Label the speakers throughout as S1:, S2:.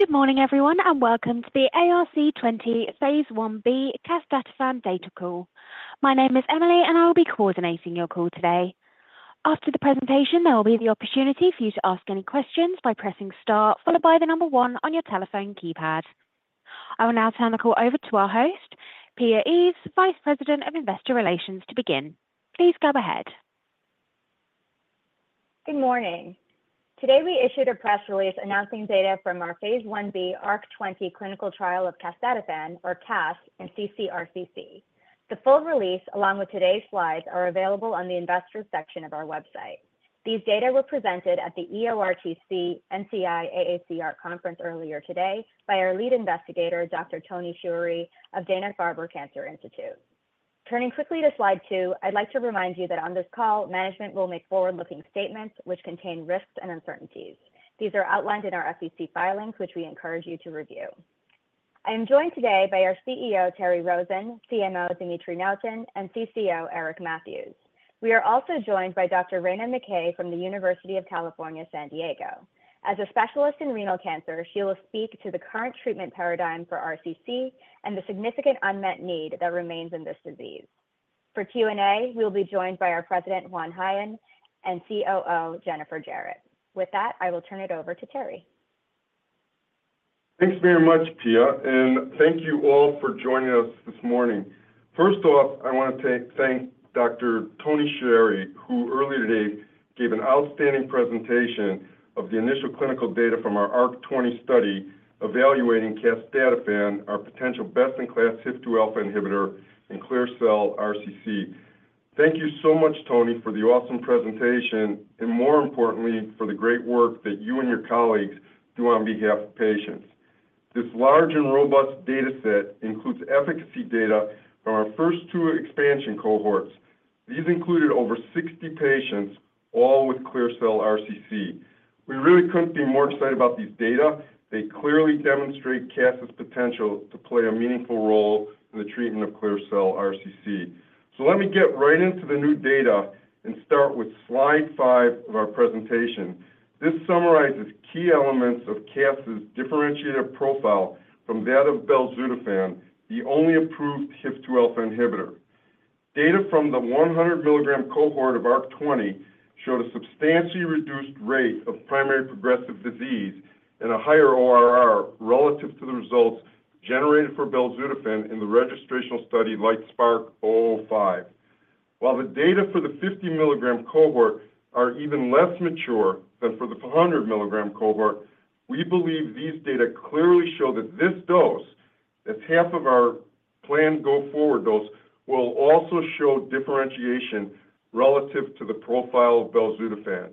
S1: Good morning, everyone, and welcome to the ARC-20 phase 1b casdatifan data call. My name is Emily, and I will be coordinating your call today. After the presentation, there will be the opportunity for you to ask any questions by pressing star followed by the number one on your telephone keypad. I will now turn the call over to our host, Pia Eaves, Vice President of Investor Relations, to begin. Please go ahead.
S2: Good morning. Today, we issued a press release announcing data from our phase 1b ARC-20 clinical trial of casdatifan, or CAS, in ccRCC. The full release, along with today's slides, are available on the investors section of our website. These data were presented at the EORTC NCI-AACR conference earlier today by our lead investigator, Dr. Toni Choueiri of Dana-Farber Cancer Institute. Turning quickly to slide two, I'd like to remind you that on this call, management will make forward-looking statements which contain risks and uncertainties. These are outlined in our SEC filings, which we encourage you to review. I am joined today by our CEO, Terry Rosen, CMO, Dimitry Nuyten, and CCO, Eric Matthews. We are also joined by Dr. Rana McKay from the University of California, San Diego. As a specialist in renal cancer, she will speak to the current treatment paradigm for RCC and the significant unmet need that remains in this disease. For Q&A, we'll be joined by our President, Juan Jaen, and COO, Jennifer Jarrett. With that, I will turn it over to Terry.
S3: Thanks very much, Pia, and thank you all for joining us this morning. First off, I want to thank Dr. Toni Choueiri, who earlier today gave an outstanding presentation of the initial clinical data from our ARC-20 study evaluating casdatifan, our potential best-in-class HIF-2alpha inhibitor in clear cell RCC. Thank you so much, Toni, for the awesome presentation, and more importantly, for the great work that you and your colleagues do on behalf of patients. This large and robust data set includes efficacy data from our first two expansion cohorts. These included over sixty patients, all with clear cell RCC. We really couldn't be more excited about these data. They clearly demonstrate CAS's potential to play a meaningful role in the treatment of clear cell RCC. So let me get right into the new data and start with slide five of our presentation. This summarizes key elements of CAS's differentiated profile from that of belzutifan, the only approved HIF-2alpha inhibitor. Data from the 100-milligram cohort of ARC-20 showed a substantially reduced rate of primary progressive disease and a higher ORR relative to the results generated for belzutifan in the registrational study, LITESPARK-005. While the data for the 50-milligram cohort are even less mature than for the 100-milligram cohort, we believe these data clearly show that this dose, that's half of our planned go-forward dose, will also show differentiation relative to the profile of belzutifan.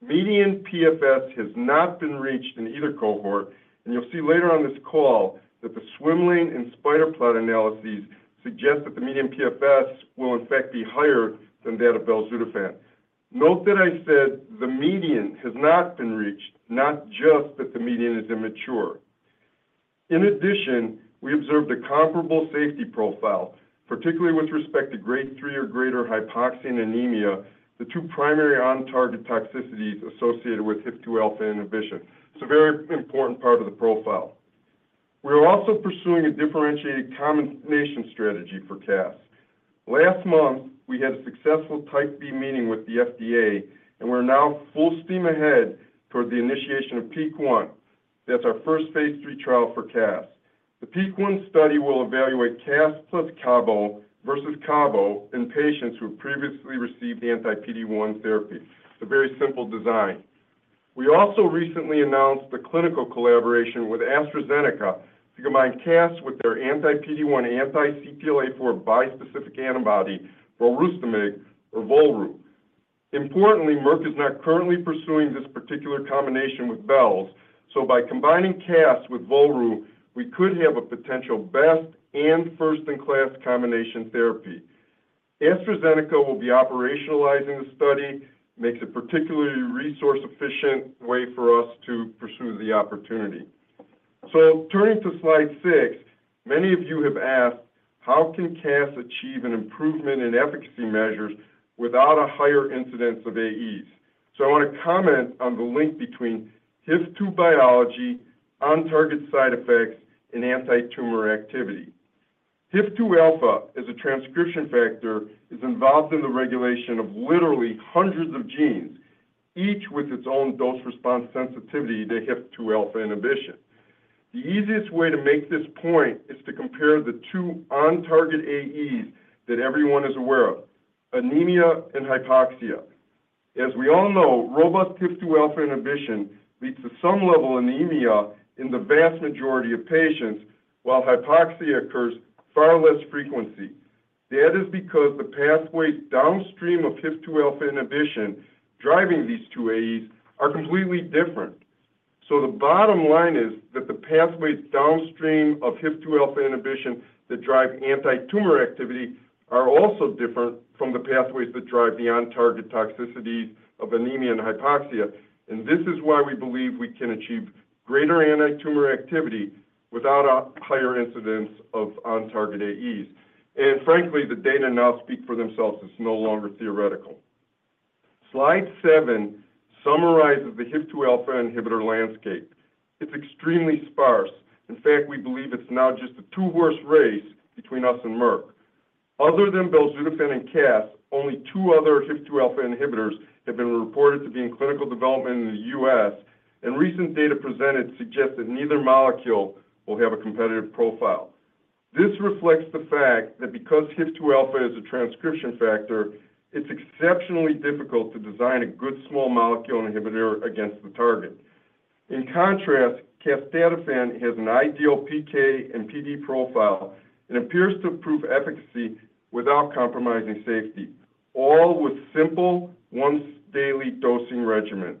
S3: Median PFS has not been reached in either cohort, and you'll see later on this call that the swim lane and spider plot analyses suggest that the median PFS will in fact be higher than that of belzutifan. Note that I said the median has not been reached, not just that the median is immature. In addition, we observed a comparable safety profile, particularly with respect to grade three or greater hypoxia and anemia, the two primary on-target toxicities associated with HIF-2alpha inhibition. It's a very important part of the profile. We are also pursuing a differentiated combination strategy for CAS. Last month, we had a successful Type B meeting with the FDA, and we're now full steam ahead toward the initiation of PEAK-1. That's our first phase III trial for CAS. The PEAK-1 study will evaluate CAS plus cabo versus cabo in patients who have previously received anti-PD-1 therapy. It's a very simple design. We also recently announced a clinical collaboration with AstraZeneca to combine CAS with their anti-PD-1/anti-CTLA-4 bispecific antibody, volrustomig or volru. Importantly, Merck is not currently pursuing this particular combination with Bells, so by combining CAS with volru, we could have a potential best and first-in-class combination therapy. AstraZeneca will be operationalizing the study, makes a particularly resource-efficient way for us to pursue the opportunity. So turning to slide six, many of you have asked, "How can CAS achieve an improvement in efficacy measures without a higher incidence of AEs?" So I want to comment on the link between HIF-2 biology, on-target side effects, and antitumor activity. HIF-2alpha is a transcription factor, is involved in the regulation of literally hundreds of genes, each with its own dose-response sensitivity to HIF-2alpha inhibition. The easiest way to make this point is to compare the two on-target AEs that everyone is aware of, anemia and hypoxia. As we all know, robust HIF-2alpha inhibition leads to some level of anemia in the vast majority of patients, while hypoxia occurs far less frequently. That is because the pathways downstream of HIF-2alpha inhibition, driving these two AEs, are completely different. So the bottom line is that the pathways downstream of HIF-2alpha inhibition that drive antitumor activity are also different from the pathways that drive the on-target toxicities of anemia and hypoxia. And this is why we believe we can achieve greater antitumor activity without a higher incidence of on-target AEs. And frankly, the data now speak for themselves. It's no longer theoretical. Slide seven summarizes the HIF-2alpha inhibitor landscape. It's extremely sparse. In fact, we believe it's now just a two-horse race between us and Merck. Other than belzutifan and CAS, only two other HIF-2alpha inhibitors have been reported to be in clinical development in the U.S., and recent data presented suggest that neither molecule will have a competitive profile. This reflects the fact that because HIF-2alpha is a transcription factor, it's exceptionally difficult to design a good small molecule inhibitor against the target. In contrast, casdatifan has an ideal PK and PD profile and appears to prove efficacy without compromising safety, all with simple once-daily dosing regimen.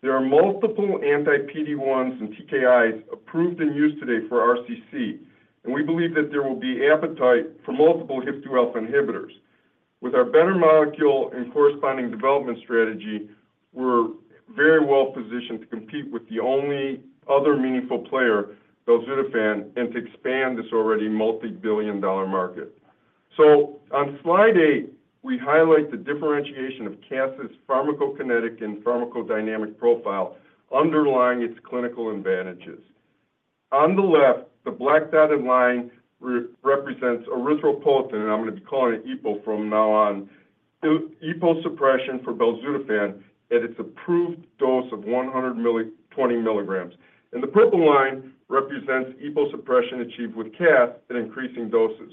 S3: There are multiple anti-PD-1s and TKIs approved and used today for RCC, and we believe that there will be appetite for multiple HIF-2alpha inhibitors. With our better molecule and corresponding development strategy, we're very well positioned to compete with the only other meaningful player, belzutifan, and to expand this already multi-billion-dollar market. So on slide eight, we highlight the differentiation of CAS's pharmacokinetic and pharmacodynamic profile underlying its clinical advantages. On the left, the black dotted line represents erythropoietin, and I'm going to be calling it EPO from now on. EPO suppression for belzutifan at its approved dose of 120 milligrams. And the purple line represents EPO suppression achieved with CAS at increasing doses.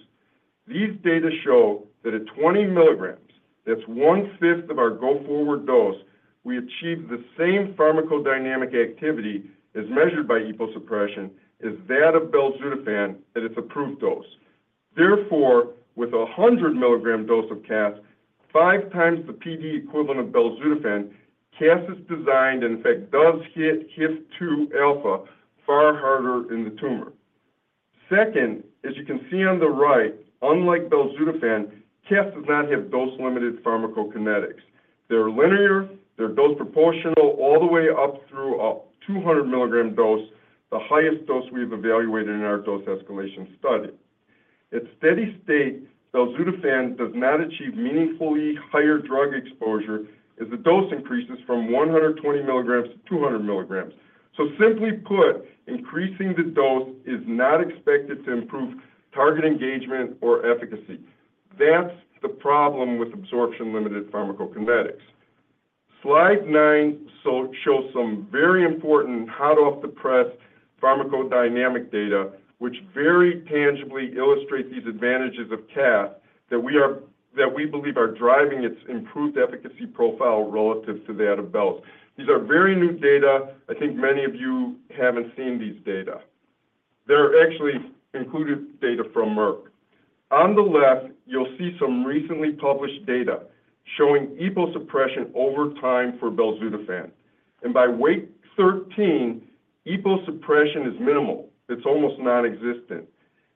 S3: These data show that at 20 milligrams, that's one-fifth of our go-forward dose, we achieve the same pharmacodynamic activity as measured by EPO suppression as that of belzutifan at its approved dose. Therefore, with a 100-milligram dose of CAS, five times the PD equivalent of belzutifan, CAS is designed, and in fact, does hit HIF-2alpha far harder in the tumor. Second, as you can see on the right, unlike belzutifan, CAS does not have dose-limited pharmacokinetics. They're linear, they're dose proportional all the way up through a 200-milligram dose, the highest dose we've evaluated in our dose escalation study. At steady state, belzutifan does not achieve meaningfully higher drug exposure as the dose increases from 120 milligrams to 200 milligrams. So simply put, increasing the dose is not expected to improve target engagement or efficacy. That's the problem with absorption-limited pharmacokinetics. Slide nine shows some very important, hot-off-the-press pharmacodynamic data, which very tangibly illustrates these advantages of CAS that we believe are driving its improved efficacy profile relative to that of Belz. These are very new data. I think many of you haven't seen these data. They're actually included data from Merck. On the left, you'll see some recently published data showing EPO suppression over time for belzutifan, and by week 13, EPO suppression is minimal. It's almost non-existent.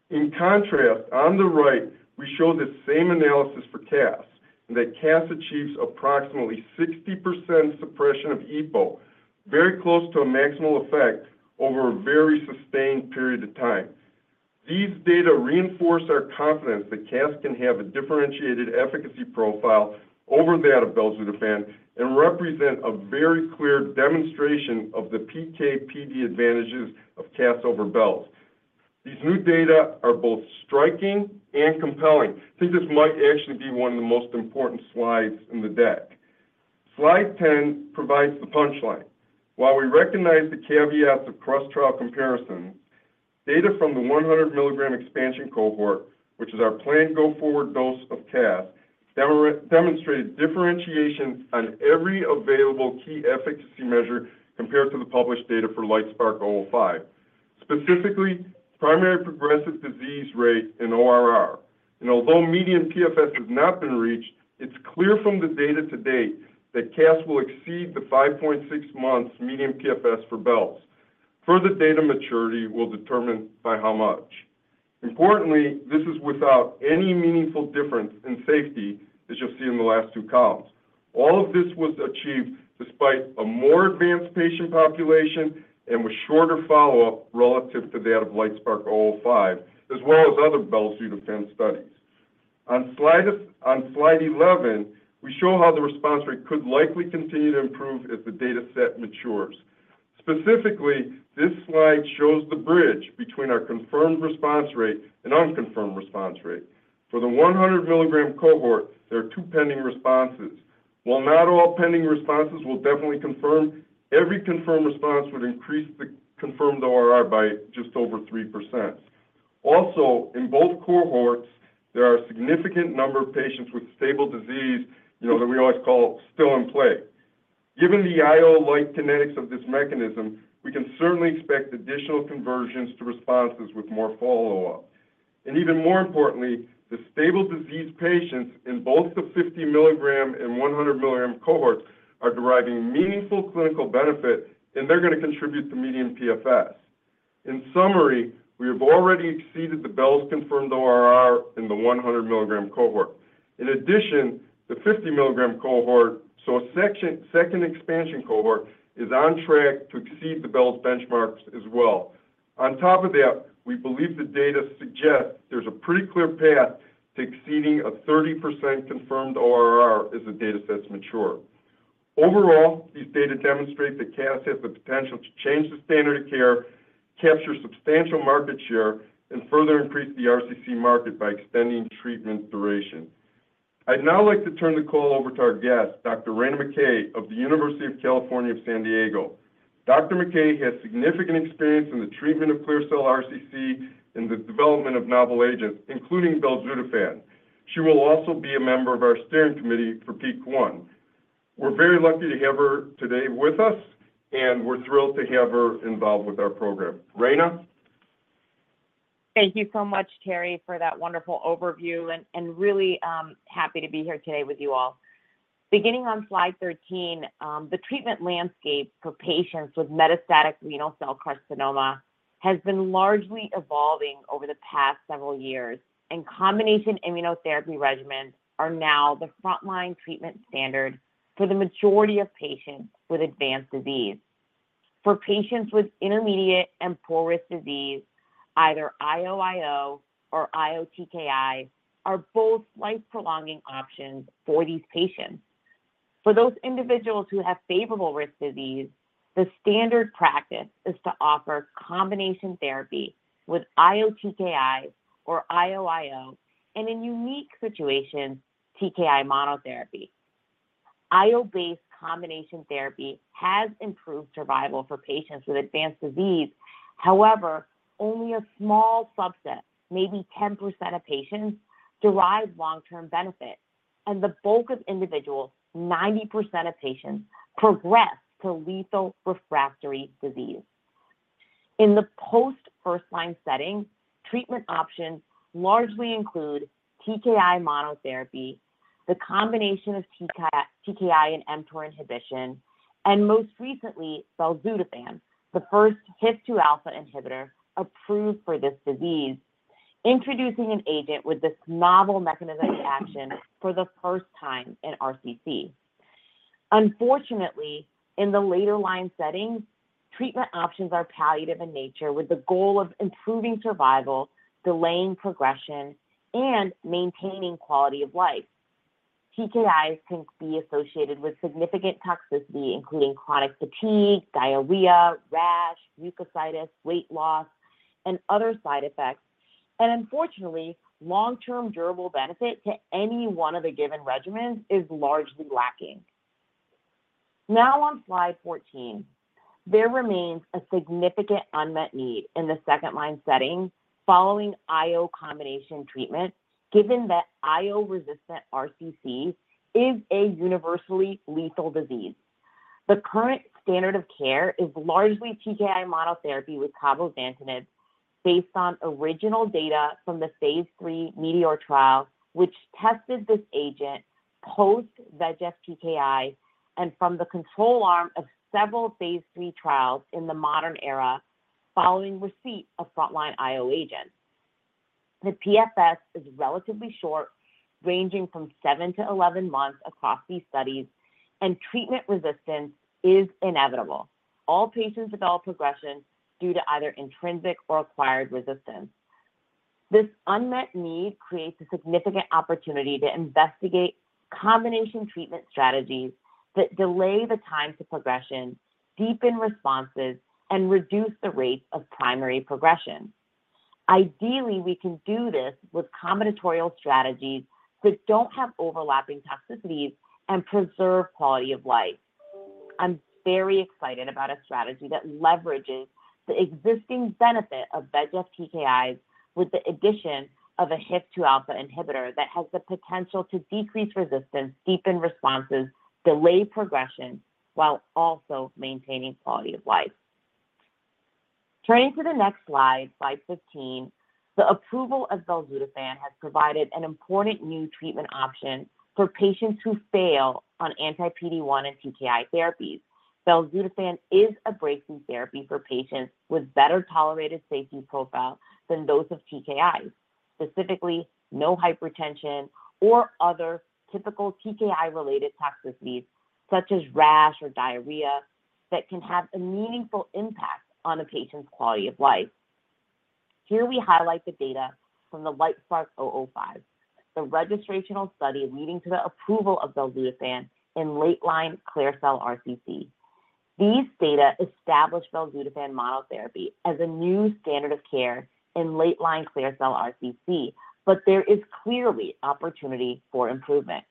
S3: In contrast, on the right, we show the same analysis for CAS, and that CAS achieves approximately 60% suppression of EPO, very close to a maximal effect over a very sustained period of time. These data reinforce our confidence that CAS can have a differentiated efficacy profile over that of belzutifan and represent a very clear demonstration of the PK/PD advantages of CAS over Belz. These new data are both striking and compelling. I think this might actually be one of the most important slides in the deck. Slide 10 provides the punchline. While we recognize the caveats of cross-trial comparison, data from the 100 milligram expansion cohort, which is our planned go-forward dose of CAS, demonstrated differentiation on every available key efficacy measure compared to the published data for LITESPARK-005, specifically, primary progressive disease rate and ORR. Although median PFS has not been reached, it's clear from the data to date that CAS will exceed the 5.6 months median PFS for Belz. Further data maturity will determine by how much. Importantly, this is without any meaningful difference in safety, as you'll see in the last two columns. All of this was achieved despite a more advanced patient population and with shorter follow-up relative to that of LITESPARK-005, as well as other belzutifan studies. On slide 11, we show how the response rate could likely continue to improve as the data set matures. Specifically, this slide shows the bridge between our confirmed response rate and unconfirmed response rate. For the 100 milligram cohort, there are two pending responses. While not all pending responses will definitely confirm, every confirmed response would increase the confirmed ORR by just over 3%. Also, in both cohorts, there are a significant number of patients with stable disease, you know, that we always call still in play. Given the IO-like kinetics of this mechanism, we can certainly expect additional conversions to responses with more follow-up. And even more importantly, the stable disease patients in both the 50-milligram and 100-milligram cohorts are deriving meaningful clinical benefit, and they're going to contribute to median PFS. In summary, we have already exceeded the Belz-confirmed ORR in the 100 milligram cohort. In addition, the 50-milligram cohort, so the second expansion cohort, is on track to exceed the Belz benchmarks as well. On top of that, we believe the data suggests there's a pretty clear path to exceeding a 30% confirmed ORR as the data sets mature. Overall, these data demonstrate that casdatifan has the potential to change the standard of care, capture substantial market share, and further increase the RCC market by extending treatment duration. I'd now like to turn the call over to our guest, Dr. Rana McKay of the University of California, San Diego. Dr. McKay has significant experience in the treatment of clear cell RCC and the development of novel agents, including belzutifan. She will also be a member of our steering committee for PEAK-1. We're very lucky to have her today with us, and we're thrilled to have her involved with our program. Rana?
S4: Thank you so much, Terry, for that wonderful overview, and really happy to be here today with you all. Beginning on slide 13, the treatment landscape for patients with metastatic renal cell carcinoma has been largely evolving over the past several years, and combination immunotherapy regimens are now the frontline treatment standard for the majority of patients with advanced disease. For patients with intermediate and poor-risk disease, either IO-IO or IO-TKI are both life-prolonging options for these patients. For those individuals who have favorable risk disease, the standard practice is to offer combination therapy with IO-TKI or IO-IO, and in unique situations, TKI monotherapy. IO-based combination therapy has improved survival for patients with advanced disease. However, only a small subset, maybe 10% of patients, derive long-term benefit, and the bulk of individuals, 90% of patients, progress to lethal refractory disease. In the post first-line setting, treatment options largely include TKI monotherapy, the combination of TKI and mTOR inhibition, and most recently, belzutifan, the first HIF-2alpha inhibitor approved for this disease, introducing an agent with this novel mechanism of action for the first time in RCC. Unfortunately, in the later line settings, treatment options are palliative in nature, with the goal of improving survival, delaying progression, and maintaining quality of life. TKIs can be associated with significant toxicity, including chronic fatigue, diarrhea, rash, mucositis, weight loss, and other side effects and unfortunately, long-term durable benefit to any one of the given regimens is largely lacking. Now on slide 14, there remains a significant unmet need in the second line setting following IO combination treatment, given that IO-resistant RCC is a universally lethal disease. The current standard of care is largely TKI monotherapy with cabozantinib, based on original data from the phase 3 METEOR trial, which tested this agent post-VEGF TKI, and from the control arm of several phase 3 trials in the modern era, following receipt of frontline IO agents. The PFS is relatively short, ranging from seven to 11 months across these studies, and treatment resistance is inevitable. All patients develop progression due to either intrinsic or acquired resistance. This unmet need creates a significant opportunity to investigate combination treatment strategies that delay the time to progression, deepen responses, and reduce the rate of primary progression. Ideally, we can do this with combinatorial strategies that don't have overlapping toxicities and preserve quality of life. I'm very excited about a strategy that leverages the existing benefit of VEGF TKIs with the addition of a HIF-2 alpha inhibitor that has the potential to decrease resistance, deepen responses, delay progression, while also maintaining quality of life. Turning to the next slide, slide 15, the approval of belzutifan has provided an important new treatment option for patients who fail on anti-PD-1 and TKI therapies. belzutifan is a breakthrough therapy for patients with better-tolerated safety profile than those of TKIs. Specifically, no hypertension or other typical TKI-related toxicities, such as rash or diarrhea, that can have a meaningful impact on a patient's quality of life. Here we highlight the data from the LITESPARK-005, the registrational study leading to the approval of belzutifan in late-line clear cell RCC. These data established belzutifan monotherapy as a new standard of care in late-line clear cell RCC, but there is clearly opportunity for improvement.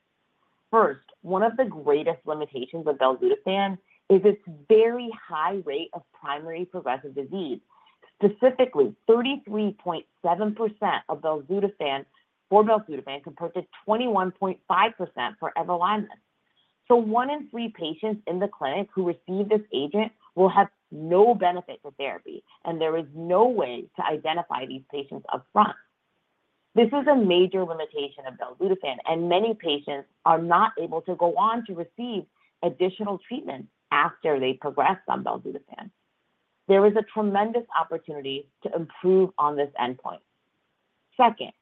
S4: First, one of the greatest limitations of belzutifan is its very high rate of primary progressive disease. Specifically, 33.7% for belzutifan, compared to 21.5% for Everolimus. So one in three patients in the clinic who receive this agent will have no benefit to therapy, and there is no way to identify these patients upfront. This is a major limitation of belzutifan, and many patients are not able to go on to receive additional treatment after they progress on belzutifan. There is a tremendous opportunity to improve on this endpoint. Second,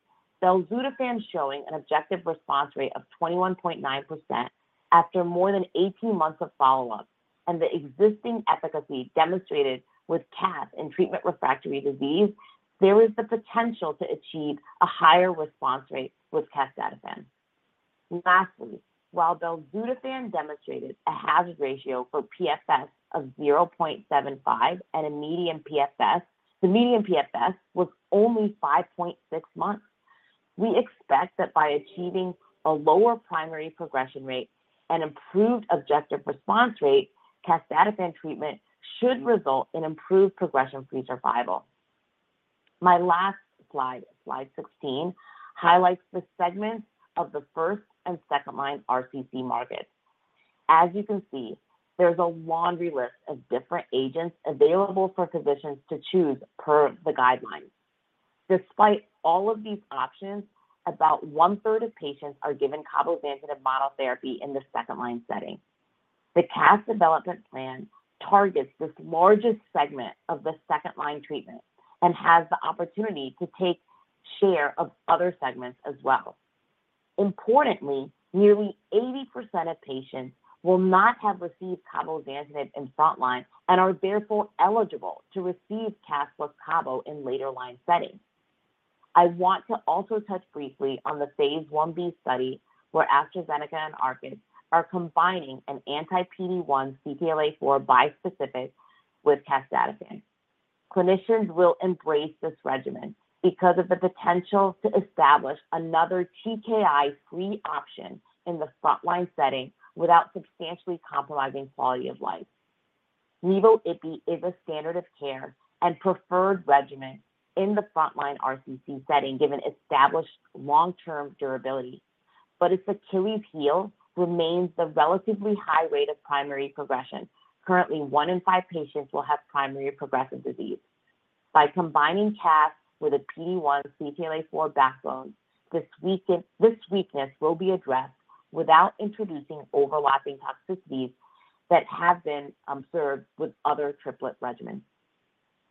S4: belzutifan showing an objective response rate of 21.9% after more than eighteen months of follow-up, and the existing efficacy demonstrated with CAS in treatment-refractory disease, there is the potential to achieve a higher response rate with casdatifan. Lastly, while belzutifan demonstrated a hazard ratio for PFS of 0.75 and a median PFS, the median PFS was only 5.6 months. We expect that by achieving a lower primary progression rate and improved objective response rate, casdatifan treatment should result in improved progression-free survival. My last slide, slide 16, highlights the segments of the first and second-line RCC market. As you can see, there's a laundry list of different agents available for physicians to choose per the guidelines. Despite all of these options, about one-third of patients are given cabozantinib monotherapy in the second-line setting. The CAS development plan targets this largest segment of the second-line treatment and has the opportunity to take share of other segments as well. Importantly, nearly 80% of patients will not have received cabozantinib in front line and are therefore eligible to receive CAS with cabo in later line settings. I want to also touch briefly on the phase 1b study, where AstraZeneca and Arcus are combining an anti-PD-1 CTLA-4 bispecific with casdatifan. Clinicians will embrace this regimen because of the potential to establish another TKI-free option in the front-line setting without substantially compromising quality of life. Nivo/ipi is a standard of care and preferred regimen in the front-line RCC setting, given established long-term durability, but its Achilles heel remains the relatively high rate of primary progression. Currently, one in five patients will have primary progressive disease. By combining CAS with a PD-1 CTLA-4 backbone, this weakness will be addressed without introducing overlapping toxicities that have been observed with other triplet regimens.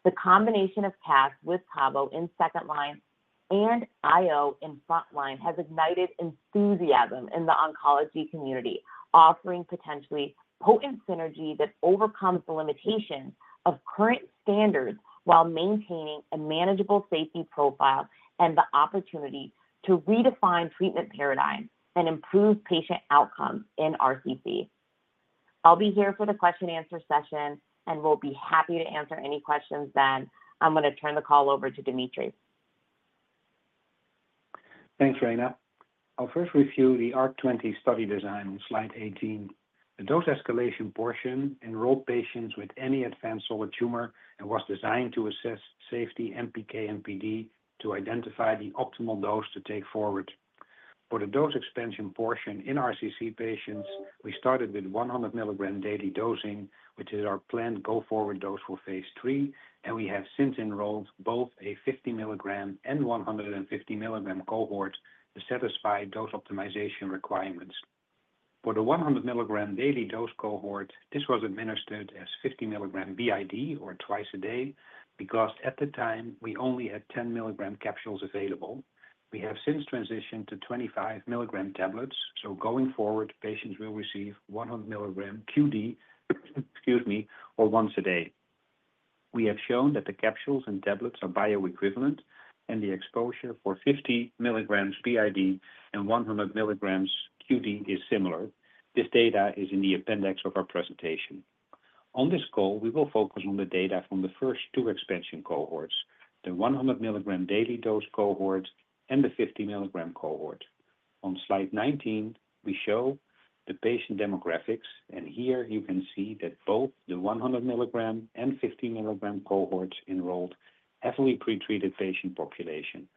S4: The combination of CAS with cabo in second line and IO in front line has ignited enthusiasm in the oncology community, offering potentially potent synergy that overcomes the limitations of current standards while maintaining a manageable safety profile and the opportunity to redefine treatment paradigms and improve patient outcomes in RCC. I'll be here for the question and answer session, and we'll be happy to answer any questions then. I'm going to turn the call over to Dimitry.
S5: Thanks, Rayna. I'll first review the ARC-20 study design on slide 18. The dose escalation portion enrolled patients with any advanced solid tumor and was designed to assess safety, PK, and PD to identify the optimal dose to take forward. For the dose expansion portion in RCC patients, we started with 100 mg daily dosing, which is our planned go-forward dose for phase 3, and we have since enrolled both a 50 mg and 150 mg cohort to satisfy dose optimization requirements. For the 100 mg daily dose cohort, this was administered as 50 mg BID, or twice a day, because at the time, we only had 10 mg capsules available. We have since transitioned to 25 mg tablets, so going forward, patients will receive 100 mg QD, excuse me, or once a day. We have shown that the capsules and tablets are bioequivalent, and the exposure for 50 milligrams BID and 100 milligrams QD is similar. This data is in the appendix of our presentation. On this call, we will focus on the data from the first two expansion cohorts, the 100 milligram daily dose cohort and the 50 milligram cohort. On slide 19, we show the patient demographics, and here you can see that both the 100 milligram and 50 milligram cohorts enrolled heavily pretreated patient population.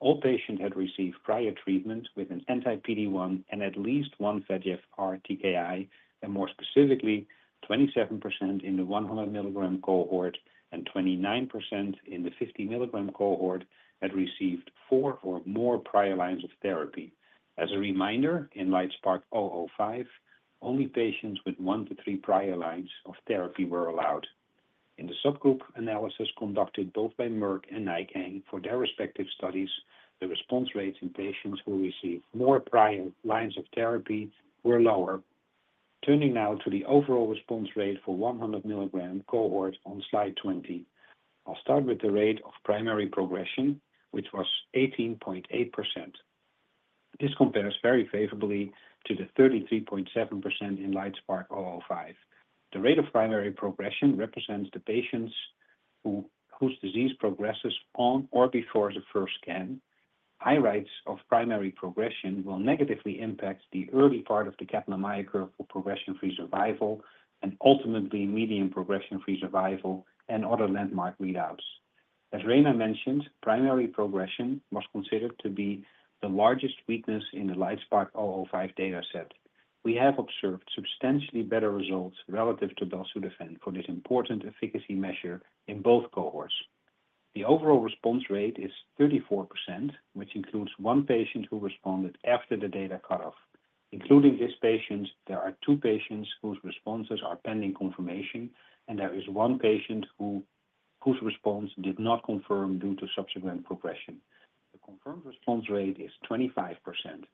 S5: All patients had received prior treatment with an anti-PD-1 and at least one EGFR TKI, and more specifically, 27% in the 100 milligram cohort and 29% in the 50 milligram cohort had received four or more prior lines of therapy. As a reminder, in LITESPARK-005, only patients with one to three prior lines of therapy were allowed. In the subgroup analysis conducted both by Merck and Eisai for their respective studies, the response rates in patients who received more prior lines of therapy were lower. Turning now to the overall response rate for one hundred milligram cohort on slide 20. I'll start with the rate of primary progression, which was 18.8%. This compares very favorably to the 33.7% in LITESPARK-005. The rate of primary progression represents the patients whose disease progresses on or before the first scan. High rates of primary progression will negatively impact the early part of the Kaplan-Meier curve for progression-free survival and ultimately median progression-free survival and other landmark readouts. As Rana mentioned, primary progression was considered to be the largest weakness in the LITESPARK-005 data set. We have observed substantially better results relative to belzutifan for this important efficacy measure in both cohorts. The overall response rate is 34%, which includes one patient who responded after the data cutoff. Including this patient, there are two patients whose responses are pending confirmation, and there is one patient whose response did not confirm due to subsequent progression. The confirmed response rate is 25%.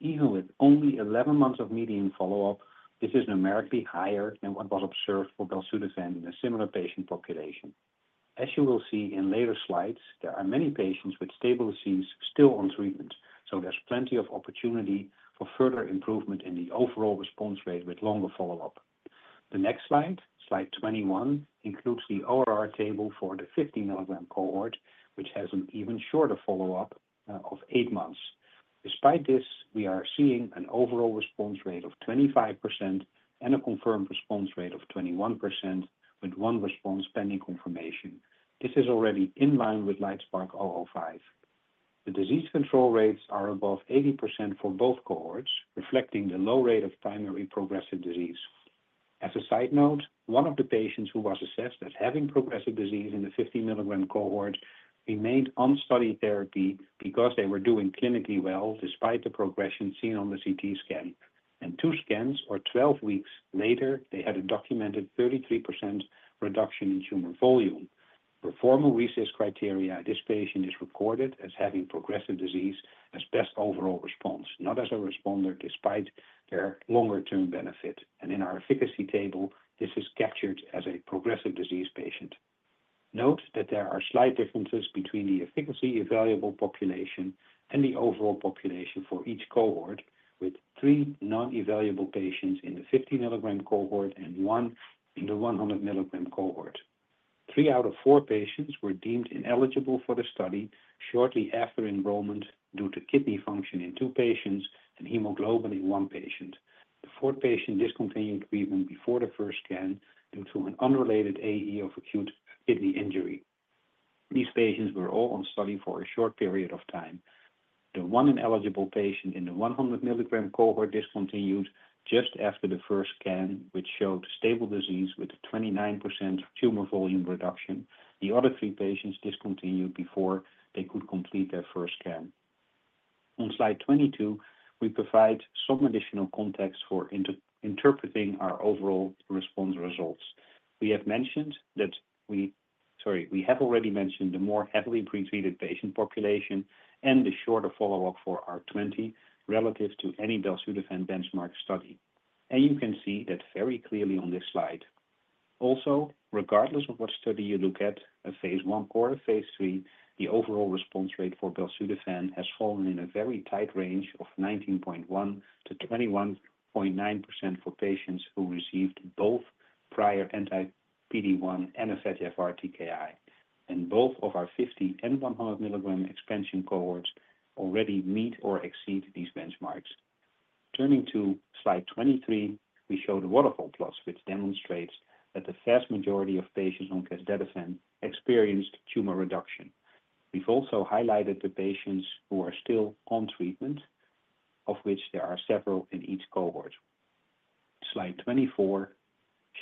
S5: Even with only 11 months of median follow-up, this is numerically higher than what was observed for belzutifan in a similar patient population. As you will see in later slides, there are many patients with stable disease still on treatment, so there's plenty of opportunity for further improvement in the overall response rate with longer follow-up. The next slide, slide 21, includes the ORR table for the 50-milligram cohort, which has an even shorter follow-up of 8 months. Despite this, we are seeing an overall response rate of 25% and a confirmed response rate of 21%, with one response pending confirmation. This is already in line with LITESPARK-005. The disease control rates are above 80% for both cohorts, reflecting the low rate of primary progressive disease. As a side note, one of the patients who was assessed as having progressive disease in the 50-milligram cohort remained on study therapy because they were doing clinically well, despite the progression seen on the CT scan, and two scans or 12 weeks later, they had a documented 33% reduction in tumor volume. Per formal RECIST criteria, this patient is recorded as having progressive disease as best overall response, not as a responder, despite their longer-term benefit, and in our efficacy table, this is captured as a progressive disease patient. Note that there are slight differences between the efficacy evaluable population and the overall population for each cohort, with three non-evaluable patients in the 50-milligram cohort and one in the 100 milligram cohort. Three out of four patients were deemed ineligible for the study shortly after enrollment due to kidney function in two patients and hemoglobin in one patient. The fourth patient discontinued treatment before the first scan due to an unrelated AE of acute kidney injury. These patients were all on study for a short period of time. The one ineligible patient in the 100 milligram cohort discontinued just after the first scan, which showed stable disease with a 29% tumor volume reduction. The other three patients discontinued before they could complete their first scan. On slide 22, we provide some additional context for interpreting our overall response results. We have mentioned that we... Sorry. We have already mentioned the more heavily pretreated patient population and the shorter follow-up for ARC-20 relative to any belzutifan benchmark study. You can see that very clearly on this slide. Also, regardless of what study you look at, a phase I or a phase III, the overall response rate for belzutifan has fallen in a very tight range of 19.1% to 21.9% for patients who received both prior anti-PD-1 and EGFR TKI, and both of our 50 and 100 milligram expansion cohorts already meet or exceed these benchmarks. Turning to slide 23, we show the waterfall plus, which demonstrates that the vast majority of patients on casdatifan experienced tumor reduction. We've also highlighted the patients who are still on treatment, of which there are several in each cohort. Slide 24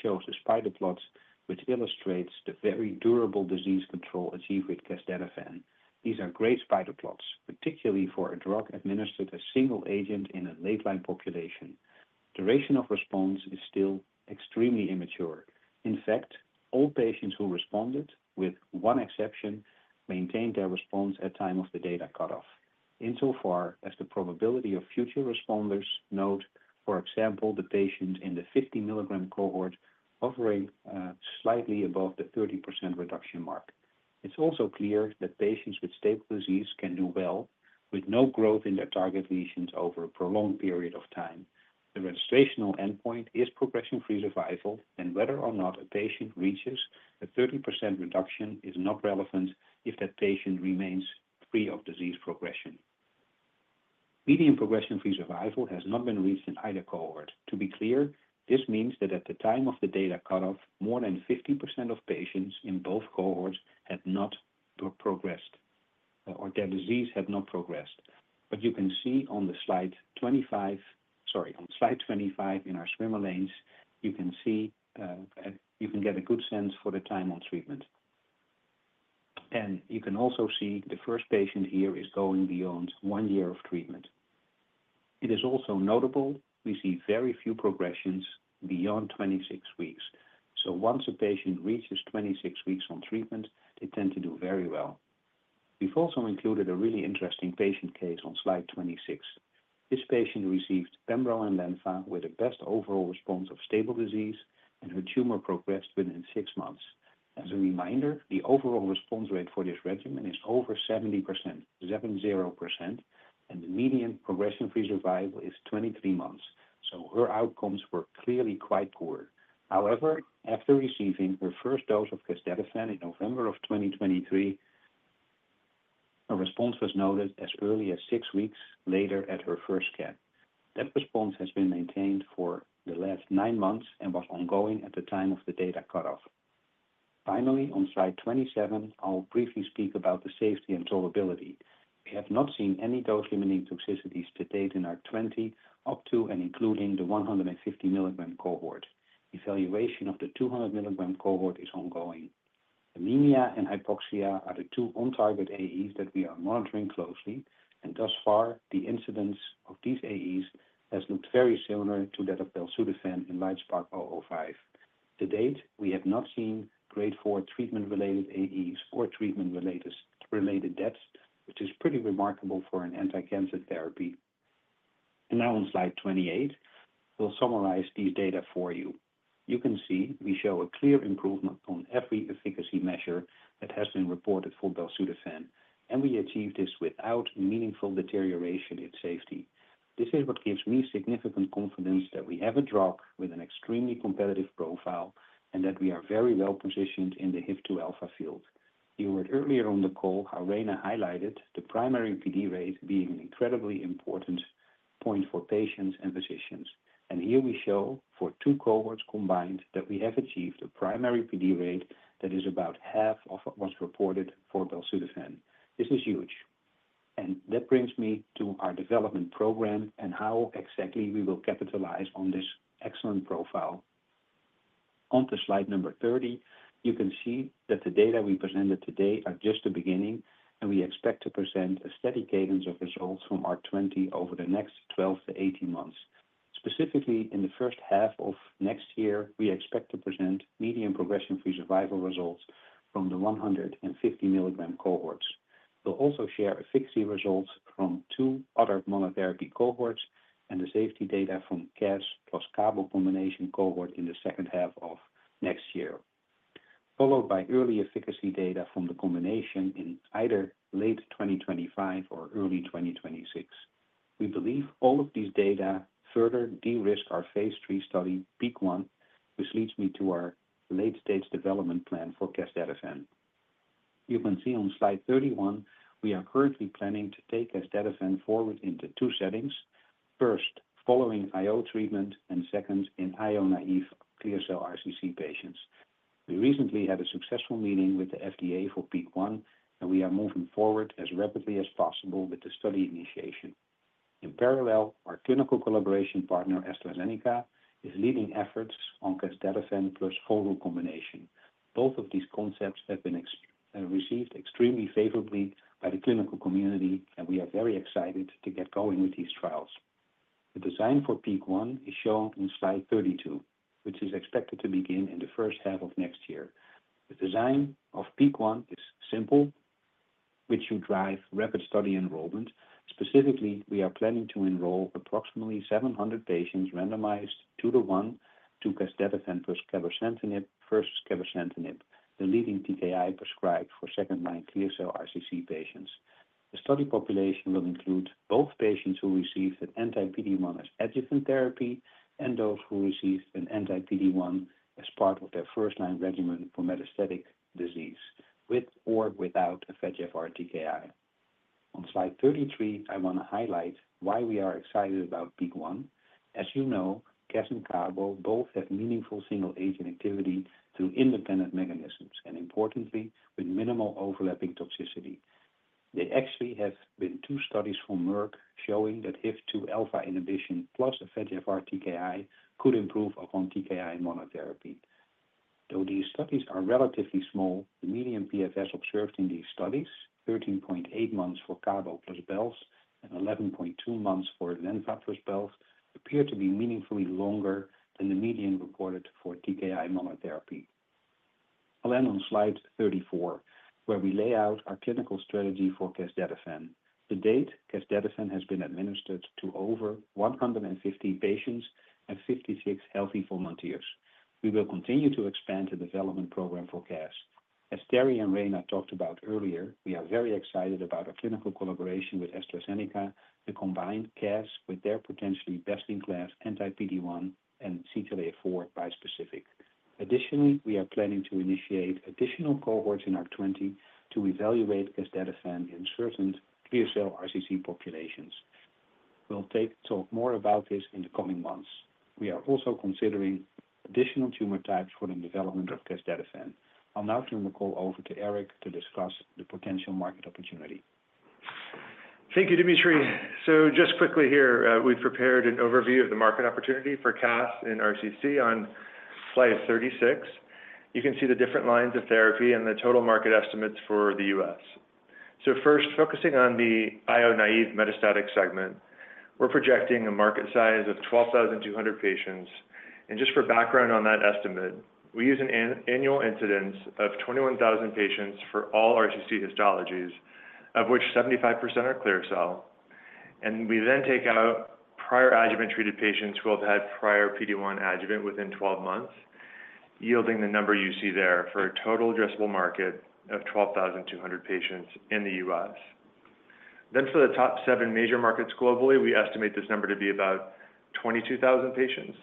S5: shows the spider plots, which illustrates the very durable disease control achieved with casdatifan. These are great spider plots, particularly for a drug administered a single agent in a late-line population. Duration of response is still extremely immature. In fact, all patients who responded, with one exception, maintained their response at time of the data cutoff. Insofar as the probability of future responders note, for example, the patient in the 50-milligram cohort hovering, slightly above the 30% reduction mark. It's also clear that patients with stable disease can do well with no growth in their target lesions over a prolonged period of time. The registrational endpoint is progression-free survival, and whether or not a patient reaches a 30% reduction is not relevant if that patient remains free of disease progression. Median progression-free survival has not been reached in either cohort. To be clear, this means that at the time of the data cutoff, more than 50% of patients in both cohorts had not progressed, or their disease had not progressed. But you can see on slide 25. Sorry, on slide 25, in our swimmer lanes, you can see you can get a good sense for the time on treatment. And you can also see the first patient here is going beyond one year of treatment. It is also notable we see very few progressions beyond 26 weeks. So once a patient reaches 26 weeks on treatment, they tend to do very well. We've also included a really interesting patient case on slide 26. This patient received pembro and lenva with the best overall response of stable disease, and her tumor progressed within six months. As a reminder, the overall response rate for this regimen is over 70%, 70%, and the median progression-free survival is 23 months. So her outcomes were clearly quite poor. However, after receiving her first dose of casdatifan in November 2023, her response was noted as early as six weeks later at her first scan. That response has been maintained for the last nine months and was ongoing at the time of the data cutoff. Finally, on slide 27, I'll briefly speak about the safety and tolerability. We have not seen any dose-limiting toxicities to date in ARC-20, up to and including the 150 milligram cohort. Evaluation of the 200 milligram cohort is ongoing. Anemia and hypoxia are the two on-target AEs that we are monitoring closely, and thus far, the incidence of these AEs has looked very similar to that of belzutifan in LITESPARK-005. To date, we have not seen grade four treatment-related AEs or treatment-related deaths, which is pretty remarkable for an anticancer therapy. And now on slide t28, we'll summarize these data for you. You can see we show a clear improvement on every efficacy measure that has been reported for belzutifan, and we achieved this without meaningful deterioration in safety. This is what gives me significant confidence that we have a drug with an extremely competitive profile and that we are very well-positioned in the HIF-2alpha field. You heard earlier on the call how Rana highlighted the primary PD rate being an incredibly important point for patients and physicians. Here we show, for two cohorts combined, that we have achieved a primary PD rate that is about half of what was reported for belzutifan. This is huge, and that brings me to our development program and how exactly we will capitalize on this excellent profile. On to slide number 30, you can see that the data we presented today are just the beginning, and we expect to present a steady cadence of results from our ARC-20 over the next 12 to 18 months. Specifically, in the first half of next year, we expect to present median progression-free survival results from the 150 milligram cohorts. We'll also share efficacy results from two other monotherapy cohorts and the safety data from CAS plus cabo combination cohort in the second half of next year, followed by early efficacy data from the combination in either late 2025 or early 2026. We believe all of these data further de-risk our phase three study, PEAK-1, which leads me to our late-stage development plan for casdatifan. You can see on slide 31, we are currently planning to take casdatifan forward into two settings. First, following IO treatment, and second, in IO-naive clear cell RCC patients. We recently had a successful meeting with the FDA for PEAK-1, and we are moving forward as rapidly as possible with the study initiation. In parallel, our clinical collaboration partner, AstraZeneca, is leading efforts on casdatifan plus Volru combination. Both of these concepts have been received extremely favorably by the clinical community, and we are very excited to get going with these trials. The design for PEAK-1 is shown in slide 32, which is expected to begin in the first half of next year. The design of PEAK-1 is simple, which should drive rapid study enrollment. Specifically, we are planning to enroll approximately 700 patients randomized 2:1 to casdatifan plus cabozantinib versus cabozantinib, the leading TKI prescribed for second-line clear cell RCC patients. The study population will include both patients who received an anti-PD-1 as adjuvant therapy and those who received an anti-PD-1 as part of their first-line regimen for metastatic disease, with or without a VEGF-R TKI. On slide 33, I want to highlight why we are excited about PEAK-1. As you know, CAS and cabo both have meaningful single-agent activity through independent mechanisms, and importantly, with minimal overlapping toxicity. There actually have been two studies from Merck showing that HIF-2alpha inhibition plus a VEGF-R TKI could improve upon TKI monotherapy. Though these studies are relatively small, the median PFS observed in these studies, 13.8 months for cabo plus Belz and 11.2 months for lenvatinib plus Belz, appear to be meaningfully longer than the median reported for TKI monotherapy. I'll end on slide 34, where we lay out our clinical strategy for casdatifan. To date, casdatifan has been administered to over 150 patients and 56 healthy volunteers. We will continue to expand the development program for CAS. As Terry and Rana talked about earlier, we are very excited about our clinical collaboration with AstraZeneca to combine CAS with their potentially best-in-class anti-PD-1 and CTLA-4 bispecific. Additionally, we are planning to initiate additional cohorts in our ARC-20 to evaluate casdatifan in certain clear cell RCC populations. We'll talk more about this in the coming months. We are also considering additional tumor types for the development of casdatifan. I'll now turn the call over to Eric to discuss the potential market opportunity.
S6: Thank you, Dimitry. So just quickly here, we've prepared an overview of the market opportunity for CAS in RCC on slide 36. You can see the different lines of therapy and the total market estimates for the U.S. So first, focusing on the IO-naive metastatic segment, we're projecting a market size of 12,200 patients. And just for background on that estimate, we use an annual incidence of 21,000 patients for all RCC histologies, of which 75% are clear cell. And we then take out prior adjuvant-treated patients who have had prior PD-1 adjuvant within 12 months, yielding the number you see there for a total addressable market of 12,200 patients in the U.S. Then, for the top seven major markets globally, we estimate this number to be about 22,000 patients.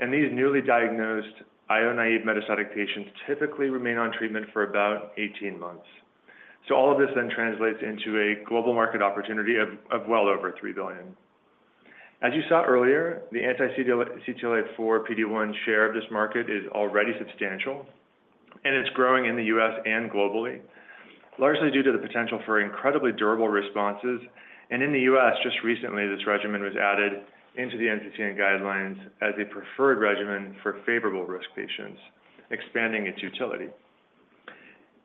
S6: These newly diagnosed IO-naive metastatic patients typically remain on treatment for about 18 months. All of this then translates into a global market opportunity of well over $3 billion. As you saw earlier, the anti-CTLA-4 PD-1 share of this market is already substantial, and it's growing in the U.S. and globally... largely due to the potential for incredibly durable responses. In the U.S., just recently, this regimen was added into the NCCN guidelines as a preferred regimen for favorable-risk patients, expanding its utility.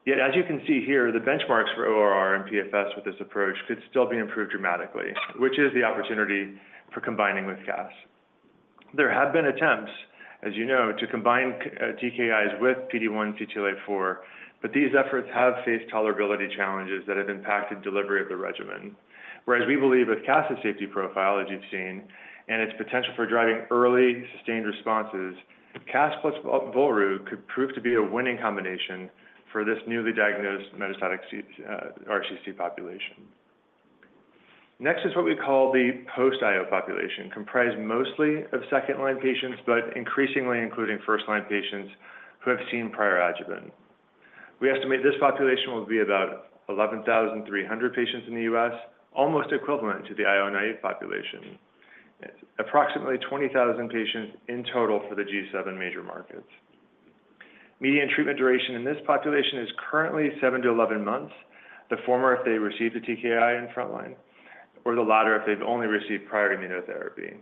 S6: Yet, as you can see here, the benchmarks for ORR and PFS with this approach could still be improved dramatically, which is the opportunity for combining with CAS. There have been attempts, as you know, to combine TKIs with PD-1/PD-L1, but these efforts have faced tolerability challenges that have impacted delivery of the regimen. Whereas we believe with CAS's safety profile, as you've seen, and its potential for driving early sustained responses, CAS plus Volru could prove to be a winning combination for this newly diagnosed metastatic RCC population. Next is what we call the post-IO population, comprised mostly of second-line patients, but increasingly including first-line patients who have seen prior adjuvant. We estimate this population will be about 11,300 patients in the US, almost equivalent to the IO-naive population. Approximately 20,000 patients in total for the G7 major markets. Median treatment duration in this population is currently 7 to 11 months, the former, if they received a TKI in frontline, or the latter if they've only received prior immunotherapy.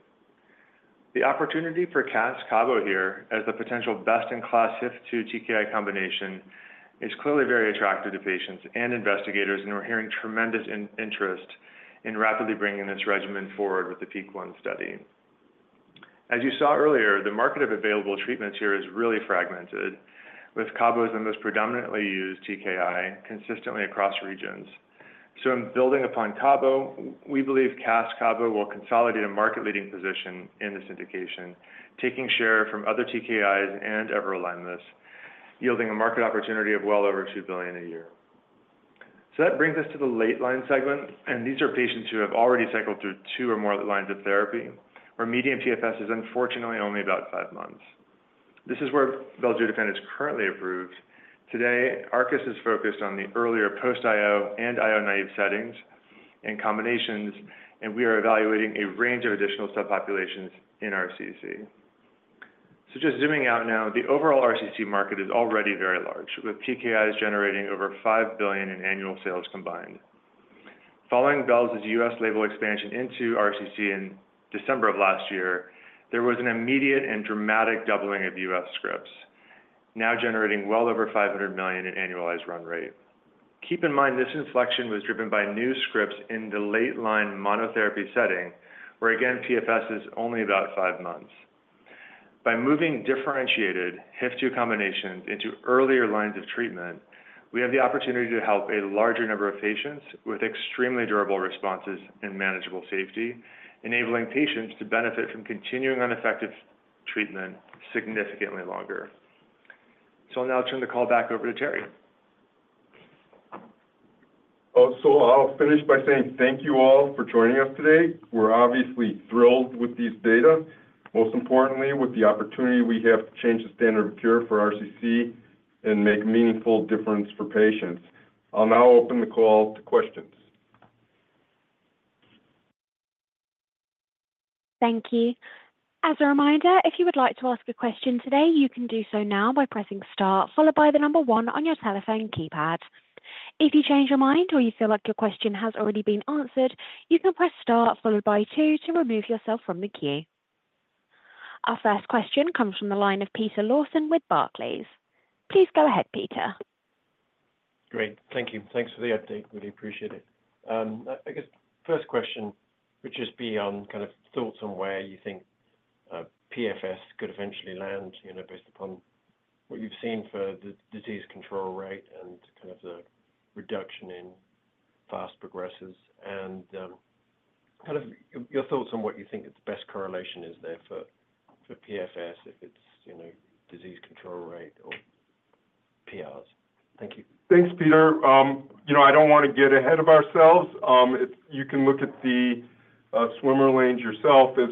S6: The opportunity for CAS CABO here as the potential best-in-class HIF-2 TKI combination is clearly very attractive to patients and investigators, and we're hearing tremendous interest in rapidly bringing this regimen forward with the PEAK-1 study. As you saw earlier, the market of available treatments here is really fragmented, with CABOs the most predominantly used TKI consistently across regions. So in building upon CABO, we believe CAS CABO will consolidate a market-leading position in this indication, taking share from other TKIs and everolimus, yielding a market opportunity of well over $2 billion a year. So that brings us to the late line segment, and these are patients who have already cycled through two or more lines of therapy, where median PFS is unfortunately only about five months. This is where belzutifan is currently approved. Today, Arcus is focused on the earlier post-io and io-naive settings and combinations, and we are evaluating a range of additional subpopulations in RCC. So just zooming out now, the overall RCC market is already very large, with TKIs generating over $5 billion in annual sales combined. Following Bells' U.S. label expansion into RCC in December of last year, there was an immediate and dramatic doubling of U.S. scripts, now generating well over $500 million in annualized run rate. Keep in mind, this inflection was driven by new scripts in the late line monotherapy setting, where again, PFS is only about five months. By moving differentiated HIF-2 combinations into earlier lines of treatment, we have the opportunity to help a larger number of patients with extremely durable responses and manageable safety, enabling patients to benefit from continuing on effective treatment significantly longer. So I'll now turn the call back over to Terry.
S3: Oh, so I'll finish by saying thank you all for joining us today. We're obviously thrilled with these data, most importantly with the opportunity we have to change the standard of care for RCC and make meaningful difference for patients. I'll now open the call to questions.
S1: Thank you. As a reminder, if you would like to ask a question today, you can do so now by pressing star, followed by the number one on your telephone keypad. If you change your mind or you feel like your question has already been answered, you can press star followed by two to remove yourself from the queue. Our first question comes from the line of Peter Lawson with Barclays. Please go ahead, Peter.
S7: Great. Thank you. Thanks for the update. Really appreciate it. I guess first question, which is beyond kind of thoughts on where you think PFS could eventually land, you know, based upon what you've seen for the disease control rate and kind of the reduction in fast progressors, and kind of your thoughts on what you think its best correlation is there for PFS, if it's, you know, disease control rate or PRs. Thank you.
S3: Thanks, Peter. You know, I don't want to get ahead of ourselves. If you can look at the swim lanes yourself, as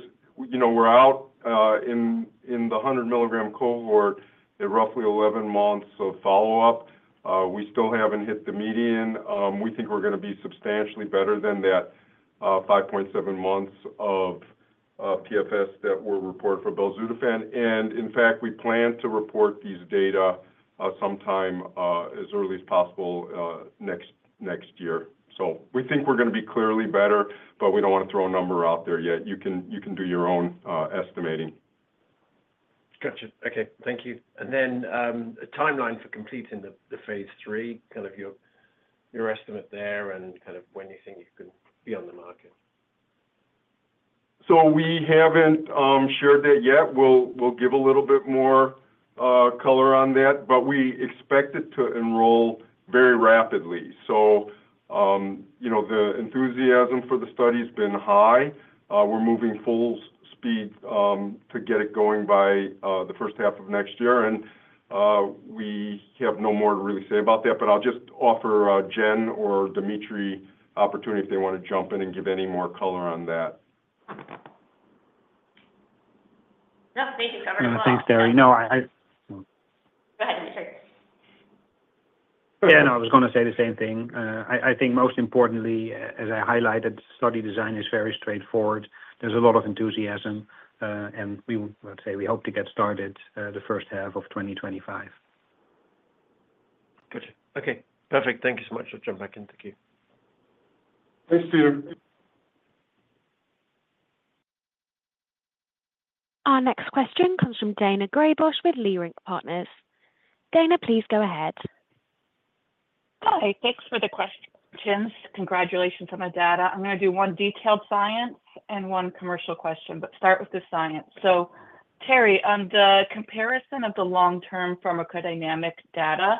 S3: you know, we're out in the 100-milligram cohort at roughly 11 months of follow-up. We still haven't hit the median. We think we're going to be substantially better than that 5.7 months of PFS that were reported for belzutifan. And in fact, we plan to report these data sometime as early as possible next year. So we think we're going to be clearly better, but we don't want to throw a number out there yet. You can do your own estimating.
S7: Gotcha. Okay, thank you. And then, a timeline for completing the phase three, kind of your estimate there and kind of when you think you could be on the market.
S3: So we haven't shared that yet. We'll give a little bit more color on that, but we expect it to enroll very rapidly. So you know, the enthusiasm for the study has been high. We're moving full speed to get it going by the first half of next year. And we have no more to really say about that, but I'll just offer Jen or Dimitry opportunity if they want to jump in and give any more color on that.
S4: No, thank you. Cover it well.
S5: Thanks, Terry. No, I...
S4: Go ahead, Dimitry.
S5: Yeah, no, I was going to say the same thing. I think most importantly, as I highlighted, study design is very straightforward. There's a lot of enthusiasm, and we, let's say we hope to get started, the first half of 2025.
S7: Gotcha. Okay, perfect. Thank you so much. I'll jump back in the queue.
S3: Thanks, Peter.
S1: Our next question comes from Daina Graybosch with Leerink Partners. Daina, please go ahead.
S8: Hi. Thanks for the questions. Congratulations on the data. I'm gonna do one detailed science and one commercial question, but start with the science. So, Terry, on the comparison of the long-term pharmacodynamic data,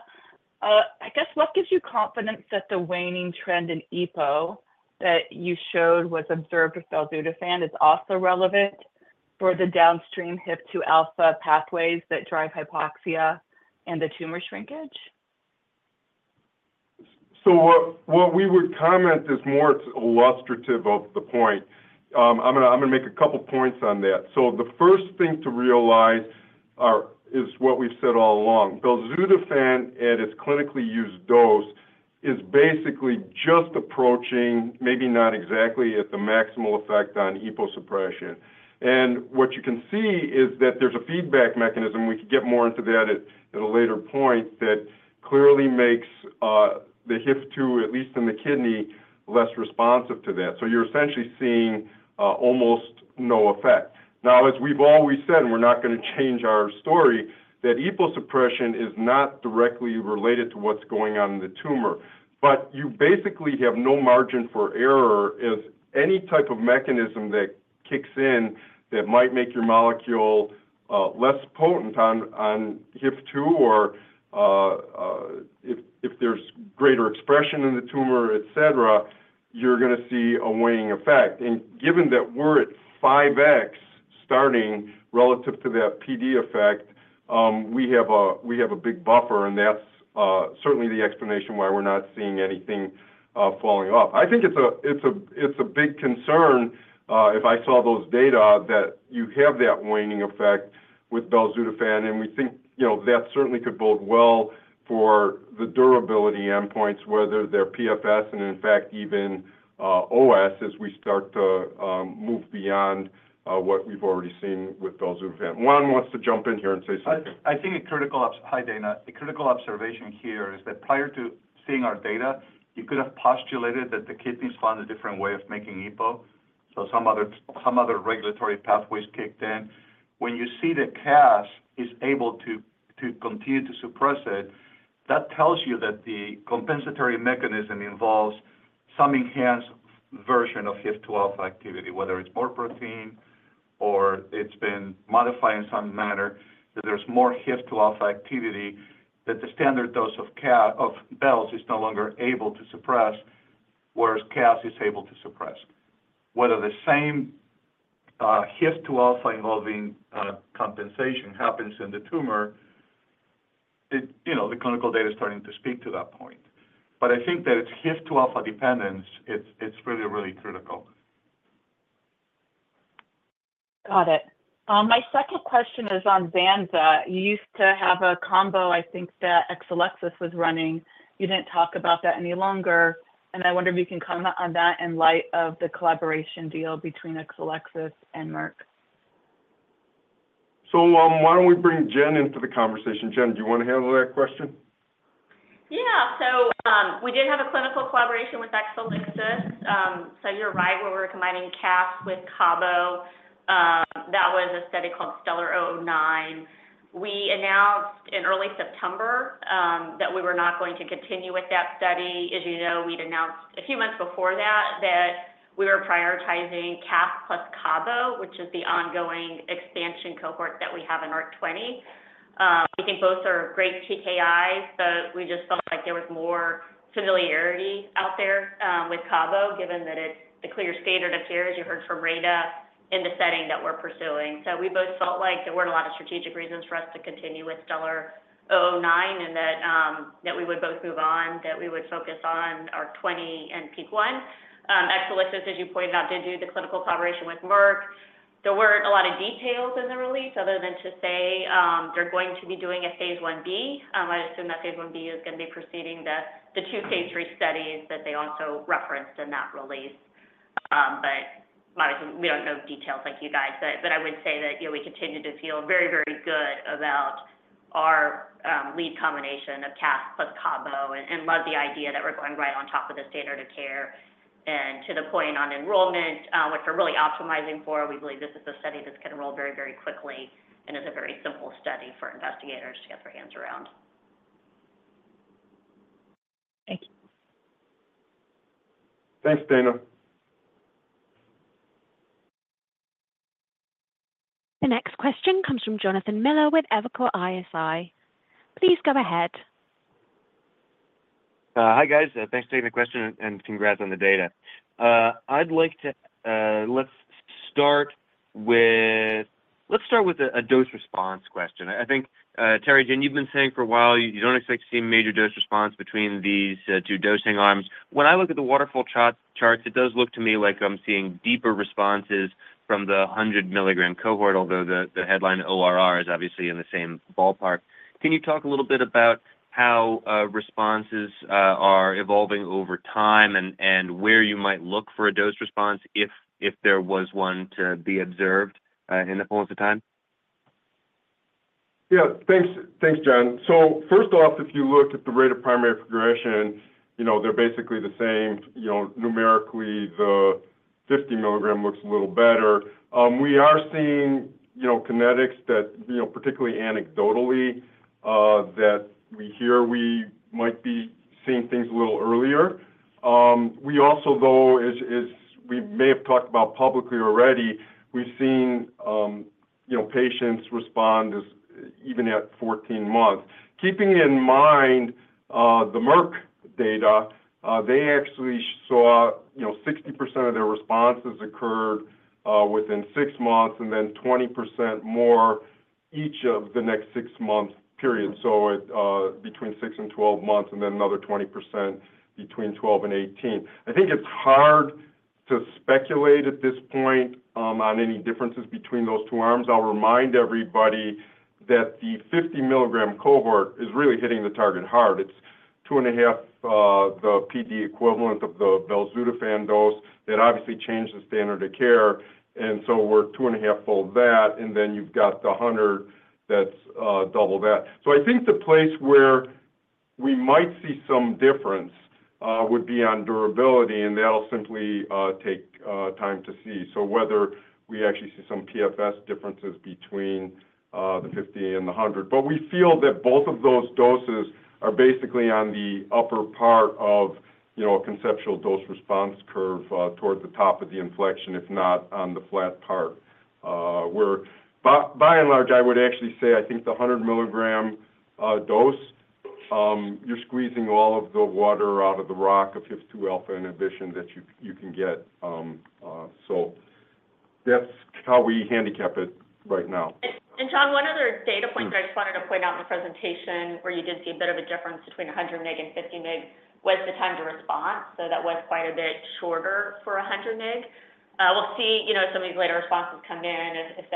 S8: I guess what gives you confidence that the waning trend in EPO that you showed was observed with belzutifan is also relevant for the downstream HIF-2 alpha pathways that drive hypoxia and the tumor shrinkage?
S3: So what we would comment is more illustrative of the point. I'm gonna make a couple points on that. So the first thing to realize is what we've said all along. belzutifan at its clinically used dose is basically just approaching, maybe not exactly at the maximal effect on EPO suppression. And what you can see is that there's a feedback mechanism. We could get more into that at a later point. That clearly makes the HIF-2, at least in the kidney, less responsive to that. So you're essentially seeing almost no effect. Now, as we've always said, and we're not gonna change our story, that EPO suppression is not directly related to what's going on in the tumor. But you basically have no margin for error if any type of mechanism that kicks in that might make your molecule less potent on HIF-2 or if there's greater expression in the tumor, etc., you're gonna see a waning effect. And given that we're at five X starting relative to that PD effect, we have a big buffer, and that's certainly the explanation why we're not seeing anything falling off. I think it's a big concern if I saw those data that you have that waning effect with belzutifan, and we think you know that certainly could bode well for the durability endpoints, whether they're PFS and in fact even OS as we start to move beyond what we've already seen with belzutifan. Juan wants to jump in here and say something.
S9: I think a critical observation here is that prior to seeing our data, you could have postulated that the kidneys found a different way of making EPO, so some other regulatory pathways kicked in. When you see that CAS is able to continue to suppress it, that tells you that the compensatory mechanism involves some enhanced version of HIF-2alpha activity, whether it's more protein or it's been modified in some manner, that there's more HIF-2alpha activity that the standard dose of Belz is no longer able to suppress, whereas CAS is able to suppress. Whether the same HIF-2alpha involving compensation happens in the tumor, you know, the clinical data is starting to speak to that point. But I think that it's HIF-2alpha dependence, it's really, really critical.
S8: Got it. My second question is on zanzalintinib. You used to have a combo, I think, that Exelixis was running. You didn't talk about that any longer, and I wonder if you can comment on that in light of the collaboration deal between Exelixis and Merck.
S3: So, why don't we bring Jen into the conversation? Jen, do you want to handle that question?
S10: Yeah. So, we did have a clinical collaboration with Exelixis. So you're right, we were combining CAS with CABO. That was a study called STELLAR-009. We announced in early September, that we were not going to continue with that study. As you know, we'd announced a few months before that, that we were prioritizing CAS plus CABO, which is the ongoing expansion cohort that we have in ARC-20. We think both are great TKIs, but we just felt like there was more familiarity out there, with CABO, given that it's the clear standard of care, as you heard from Rana, in the setting that we're pursuing. So we both felt like there weren't a lot of strategic reasons for us to continue with STELLAR-009 and that we would both move on, that we would focus on ARC-20 and PEAK-1. Exelixis, as you pointed out, did do the clinical collaboration with Merck. There weren't a lot of details in the release other than to say they're going to be doing a phase 1b. I'd assume that phase 1b is gonna be preceding the two phase 3 studies that they also referenced in that release. But obviously, we don't know details like you guys. But I would say that, you know, we continue to feel very, very good about our lead combination of CAS plus CABO and love the idea that we're going right on top of the standard of care. And to the point on enrollment, which we're really optimizing for, we believe this is a study that's gonna roll very, very quickly and is a very simple study for investigators to get their hands around.
S8: Thank you.
S3: Thanks, Dana.
S1: The next question comes from Jonathan Miller with Evercore ISI. Please go ahead.
S11: Hi, guys. Thanks for taking the question, and congrats on the data. Let's start with a dose response question. I think, Terry, Jen, you've been saying for a while you don't expect to see a major dose response between these two dosing arms. When I look at the waterfall charts, it does look to me like I'm seeing deeper responses from the 100-milligram cohort, although the headline ORR is obviously in the same ballpark. Can you talk a little bit about how responses are evolving over time and where you might look for a dose response if there was one to be observed in the course of time?
S3: Yeah, thanks. Thanks, John. So first off, if you look at the rate of primary progression, you know, they're basically the same. You know, numerically, the 50 milligram looks a little better. We are seeing, you know, kinetics that, you know, particularly anecdotally, that we hear we might be seeing things a little earlier. We also, though, as we may have talked about publicly already, we've seen, you know, patients respond as even at 14 months. Keeping in mind, the Merck data, they actually saw, you know, 60% of their responses occurred within six months, and then 20% more each of the next six-month period. So at between six and 12 months, and then another 20% between 12 and 18. I think it's hard to speculate at this point, on any differences between those two arms. I'll remind everybody that the 50-milligram cohort is really hitting the target hard. It's two and a half, the PD equivalent of the belzutifan dose. That obviously changed the standard of care, and so we're two and a half fold that, and then you've got the 100 that's, double that. So I think the place where we might see some difference would be on durability, and that'll simply take time to see. So whether we actually see some PFS differences between the 50 and the 100. But we feel that both of those doses are basically on the upper part of, you know, a conceptual dose response curve towards the top of the inflection, if not on the flat part. By and large, I would actually say I think the 100-milligram dose, you're squeezing all of the water out of the rock of HIF-2alpha inhibition that you can get. So that's how we handicap it right now.
S10: Jonathan, one other data point that I just wanted to point out in the presentation, where you did see a bit of a difference between 100 mg and 50 mg, was the time to response. That was quite a bit shorter for 100 mg. We'll see, you know, some of these later responses come in, if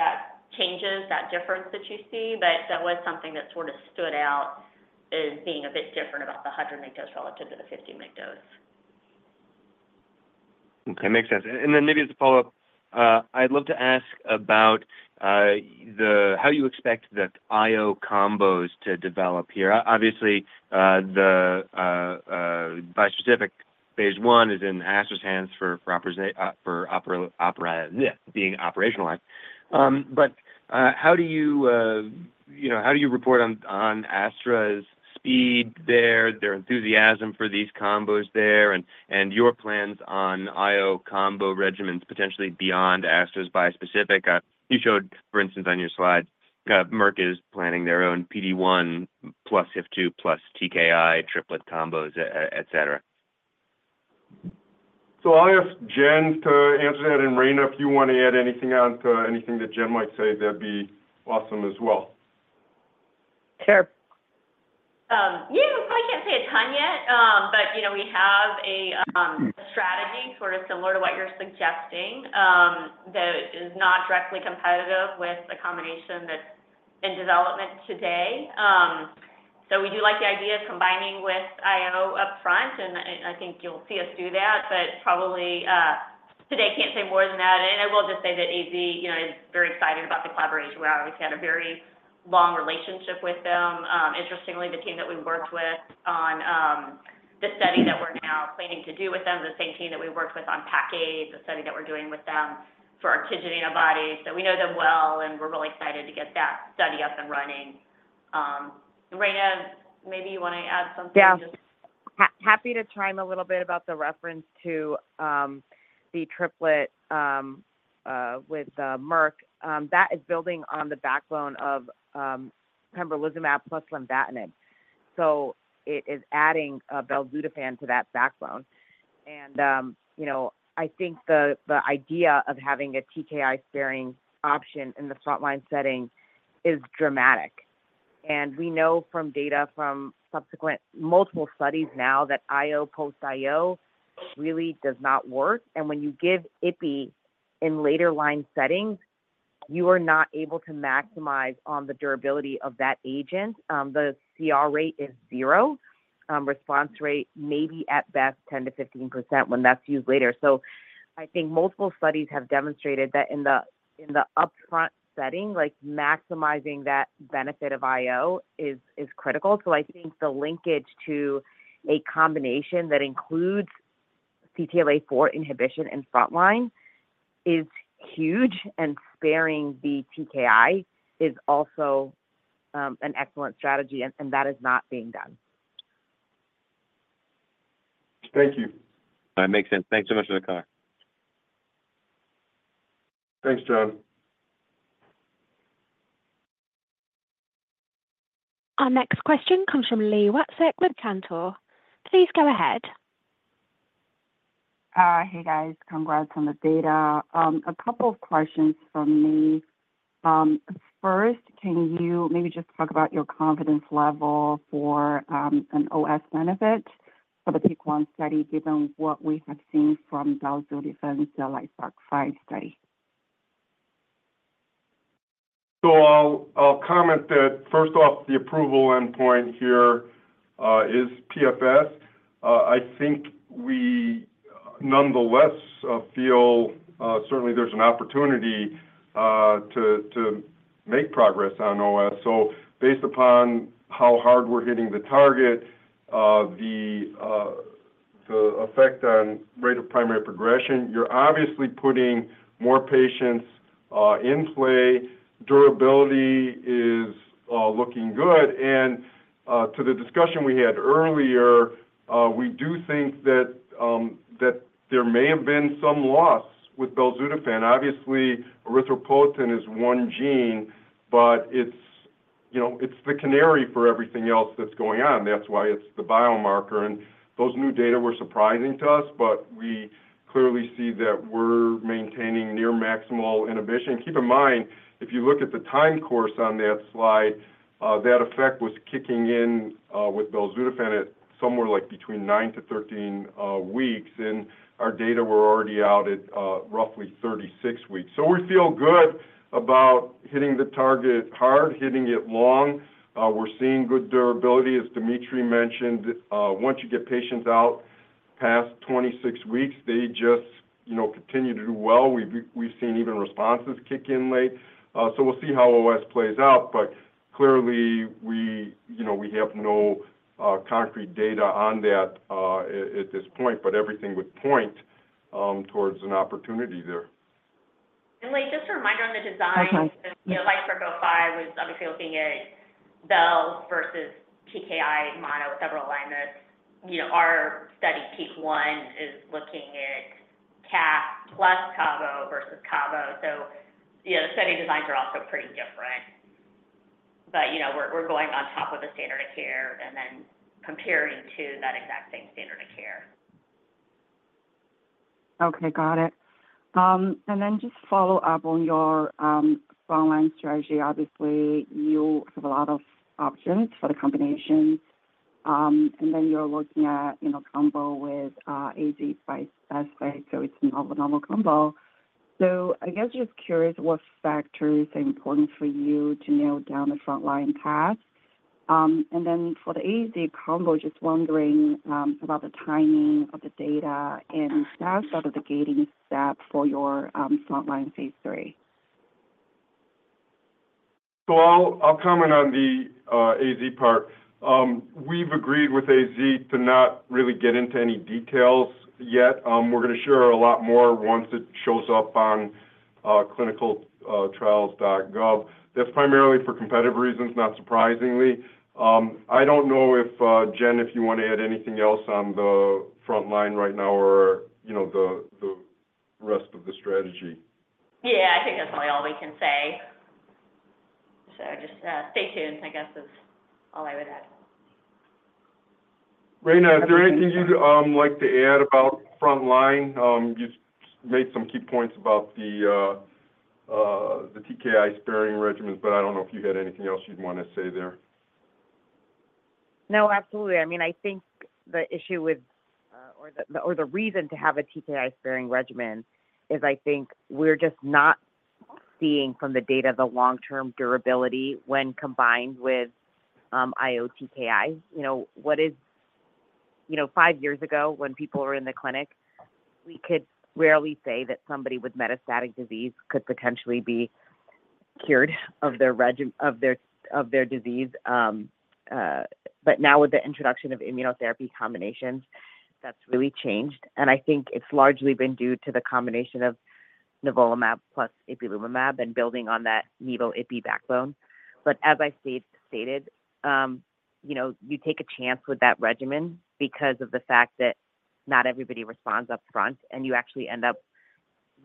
S10: that changes that difference that you see, but that was something that sort of stood out as being a bit different about the 100 mg dose relative to the 50 mg dose.
S11: Okay, makes sense. And then maybe as a follow-up, I'd love to ask about, the, how you expect the IO combos to develop here. Obviously, the bispecific phase one is in Astra's hands for operationalization. But, how do you, you know, how do you report on, on Astra's speed there, their enthusiasm for these combos there, and your plans on IO combo regimens, potentially beyond Astra's bispecific? You showed, for instance, on your slide, Merck is planning their own PD one, plus HIF-2, plus TKI, triplet combos, et cetera.
S3: So I'll ask Jen to answer that, and Rana, if you want to add anything on to anything that Jen might say, that'd be awesome as well.
S4: Sure.
S10: Yeah, I can't say a ton yet, but you know, we have a strategy sort of similar to what you're suggesting, that is not directly competitive with the combination that's in development today. So we do like the idea of combining with IO up front, and I think you'll see us do that, but probably today, can't say more than that. And I will just say that AZ, you know, is very excited about the collaboration. We've obviously had a very long relationship with them. Interestingly, the team that we worked with on the study that we're now planning to do with them is the same team that we worked with on PACA, the study that we're doing with them for our TIGIT antibody. So we know them well, and we're really excited to get that study up and running. Rana, maybe you want to add something?
S4: Yeah. Happy to chime a little bit about the reference to the triplet with Merck. That is building on the backbone of pembrolizumab plus lenvatinib. So it is adding belzutifan to that backbone. And you know, I think the idea of having a TKI-sparing option in the frontline setting is dramatic. And we know from data from subsequent multiple studies now that IO post IO really does not work, and when you give IPI in later line settings, you are not able to maximize on the durability of that agent. The CR rate is zero, response rate maybe at best 10%-15% when that's used later. So I think multiple studies have demonstrated that in the upfront setting, like, maximizing that benefit of IO is critical. So I think the linkage to a combination that includes CTLA-4 inhibition in frontline is huge, and sparing the TKI is also, an excellent strategy, and, and that is not being done.
S3: Thank you.
S11: That makes sense. Thanks so much for the call.
S3: Thanks, Jonathan.
S1: Our next question comes from Li Watsek with Cantor Fitzgerald. Please go ahead.
S12: Hey, guys. Congrats on the data. A couple of questions from me. First, can you maybe just talk about your confidence level for an OS benefit for the PEAK-1 study, given what we have seen from the LITESPARK-005 study?
S3: So I'll comment that, first off, the approval endpoint here is PFS. I think we nonetheless feel certainly there's an opportunity to make progress on OS. So based upon how hard we're hitting the target, the effect on rate of primary progression, you're obviously putting more patients in play. Durability is looking good. And to the discussion we had earlier, we do think that there may have been some loss with belzutifan. Obviously, erythropoietin is one gene, but it's, you know, it's the canary for everything else that's going on. That's why it's the biomarker. And those new data were surprising to us, but we clearly see that we're maintaining near maximal inhibition. Keep in mind, if you look at the time course on that slide, that effect was kicking in with belzutifan at somewhere like between nine to 13 weeks, and our data were already out at roughly 36 weeks. So we feel good about hitting the target hard, hitting it long. We're seeing good durability. As Dimitry mentioned, once you get patients out past 26 weeks, they just, you know, continue to do well. We've seen even responses kick in late. So we'll see how OS plays out, but clearly, we, you know, we have no concrete data on that at this point, but everything would point towards an opportunity there.
S10: Li, just a reminder on the design.
S12: Okay.
S10: You know, LITESPARK-005 was obviously looking at Bel versus TKI mono with several alignments. You know, our study, PEAK-1, is looking at CAS plus cabo versus cabo. So yeah, the study designs are also pretty different. But, you know, we're going on top of the standard of care and then comparing to that exact same standard of care.
S12: Okay, got it, and then just follow up on your frontline strategy. Obviously, you have a lot of options for the combinations, and then you're looking at, you know, combo with AZ price as well, so it's not a normal combo, so I guess just curious, what factors are important for you to nail down the frontline path, and then for the AZ combo, just wondering about the timing of the data and status of the gating step for your frontline phase three.
S3: So I'll comment on the AZ part. We've agreed with AZ to not really get into any details yet. We're going to share a lot more once it shows up on ClinicalTrials.gov. That's primarily for competitive reasons, not surprisingly. I don't know if Jen, if you want to add anything else on the front line right now or, you know, the rest of the strategy.
S10: Yeah, I think that's probably all we can say. So just, stay tuned, I guess, is all I would add.
S3: Rana, is there anything you'd like to add about frontline? You made some key points about the TKI-sparing regimens, but I don't know if you had anything else you'd want to say there.
S4: Now, absolutely. I mean, I think the issue with, or the reason to have a TKI-sparing regimen is I think we're just not seeing from the data the long-term durability when combined with IO-TKI. You know, five years ago, when people were in the clinic, we could rarely say that somebody with metastatic disease could potentially be cured of their disease, but now with the introduction of immunotherapy combinations, that's really changed, and I think it's largely been due to the combination of nivolumab plus ipilimumab and building on that nivo-ipi backbone, but as I stated, you know, you take a chance with that regimen because of the fact that not everybody responds up front, and you actually end up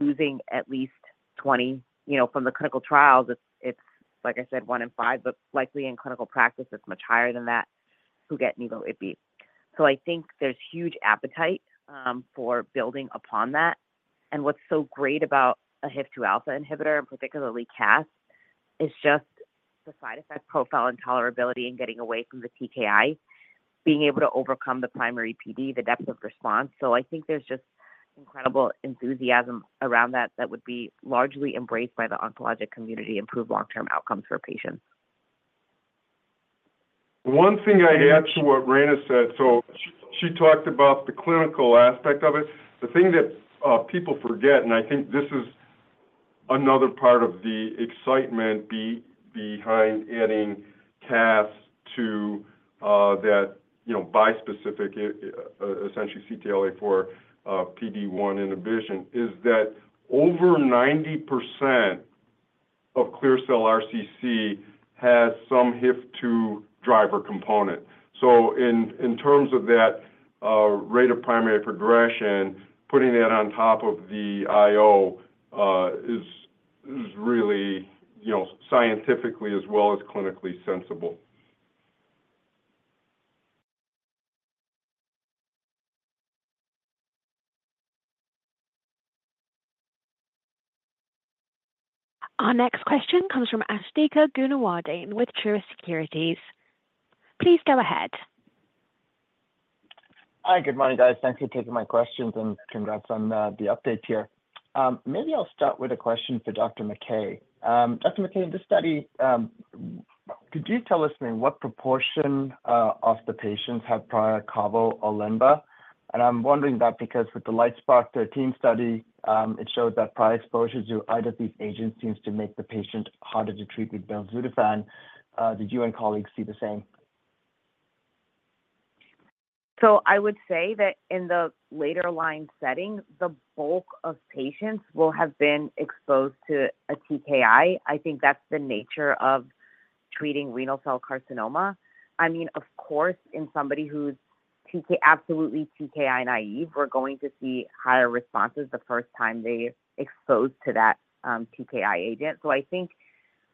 S4: losing at least 20. You know, from the clinical trials, it's, like I said, one in five, but likely in clinical practice, it's much higher than that, who get nivo-ipi. So I think there's huge appetite for building upon that. And what's so great about a HIF-2 alpha inhibitor, and particularly CAS, is just the side effect profile and tolerability and getting away from the TKI, being able to overcome the primary PD, the depth of response. So I think there's just incredible enthusiasm around that that would be largely embraced by the oncologic community, improve long-term outcomes for patients.
S3: One thing I'd add to what Rana said, so she talked about the clinical aspect of it. The thing that people forget, and I think this is another part of the excitement behind adding CAS to that, you know, bispecific, essentially CTLA-4 PD-1 inhibition, is that over 90% of clear cell RCC has some HIF-2 driver component. So in terms of that rate of primary progression, putting that on top of the IO is really, you know, scientifically as well as clinically sensible.
S1: Our next question comes from Asthika Goonewardene with Truist Securities. Please go ahead.
S13: Hi, good morning, guys. Thanks for taking my questions and congrats on the update here. Maybe I'll start with a question for Dr. McKay. Dr. McKay, in this study, could you tell us then what proportion of the patients have prior cabo or lenba? And I'm wondering that because with the LITESPARK-013 study, it showed that prior exposure to either of these agents seems to make the patient harder to treat with belzutifan. Did you and colleagues see the same?
S4: So I would say that in the later line setting, the bulk of patients will have been exposed to a TKI. I think that's the nature of treating renal cell carcinoma. I mean, of course, in somebody who's TKI naive, we're going to see higher responses the first time they're exposed to that TKI agent. So I think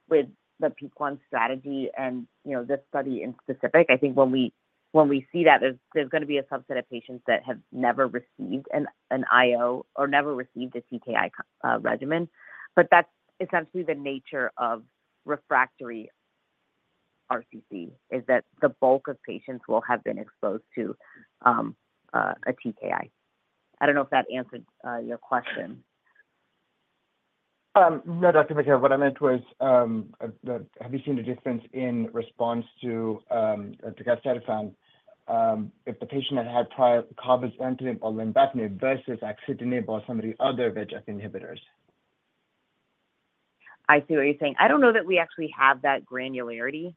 S4: with the PEAK-1 strategy and, you know, this study in specific, I think when we see that, there's gonna be a subset of patients that have never received an IO or never received a TKI regimen. But that's essentially the nature of refractory RCC, is that the bulk of patients will have been exposed to a TKI. I don't know if that answered your question.
S13: No, Dr. McKay, what I meant was, that have you seen a difference in response to casdatifan, if the patient had had prior cabozantinib or lenvatinib versus axitinib or some of the other VEGF inhibitors?
S4: I see what you're saying. I don't know that we actually have that granularity,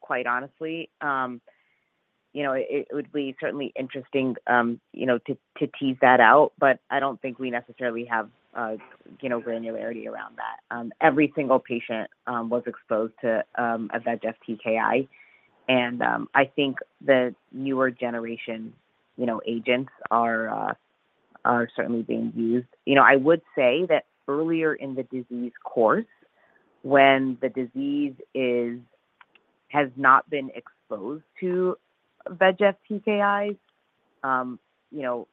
S4: quite honestly. You know, it would be certainly interesting, you know, to tease that out, but I don't think we necessarily have, you know, granularity around that. Every single patient was exposed to a VEGF TKI, and I think the newer generation, you know, agents are certainly being used. You know, I would say that earlier in the disease course, when the disease has not been exposed to VEGF TKIs, you know,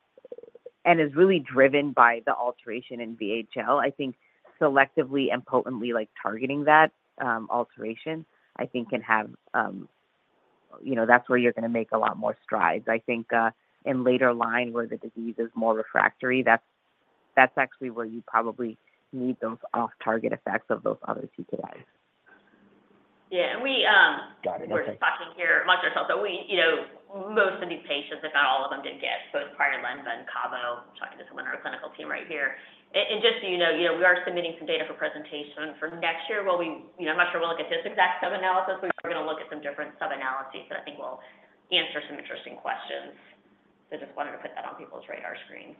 S4: and is really driven by the alteration in VHL, I think selectively and potently, like, targeting that alteration, I think can have, you know, that's where you're gonna make a lot more strides. I think, in later line, where the disease is more refractory, that's actually where you probably need those off-target effects of those other TKIs.
S10: Yeah, and we-
S13: Got it. Okay.
S10: We're talking here among ourselves, so we, you know, most of these patients, if not all of them, did get both prior Lenba and Cabo. I'm talking to someone on our clinical team right here. And, and just so you know, you know, we are submitting some data for presentation for next year, where we... You know, I'm not sure we'll look at this exact sub-analysis, but we're gonna look at some different sub-analyses that I think will answer some interesting questions. So just wanted to put that on people's radar screens.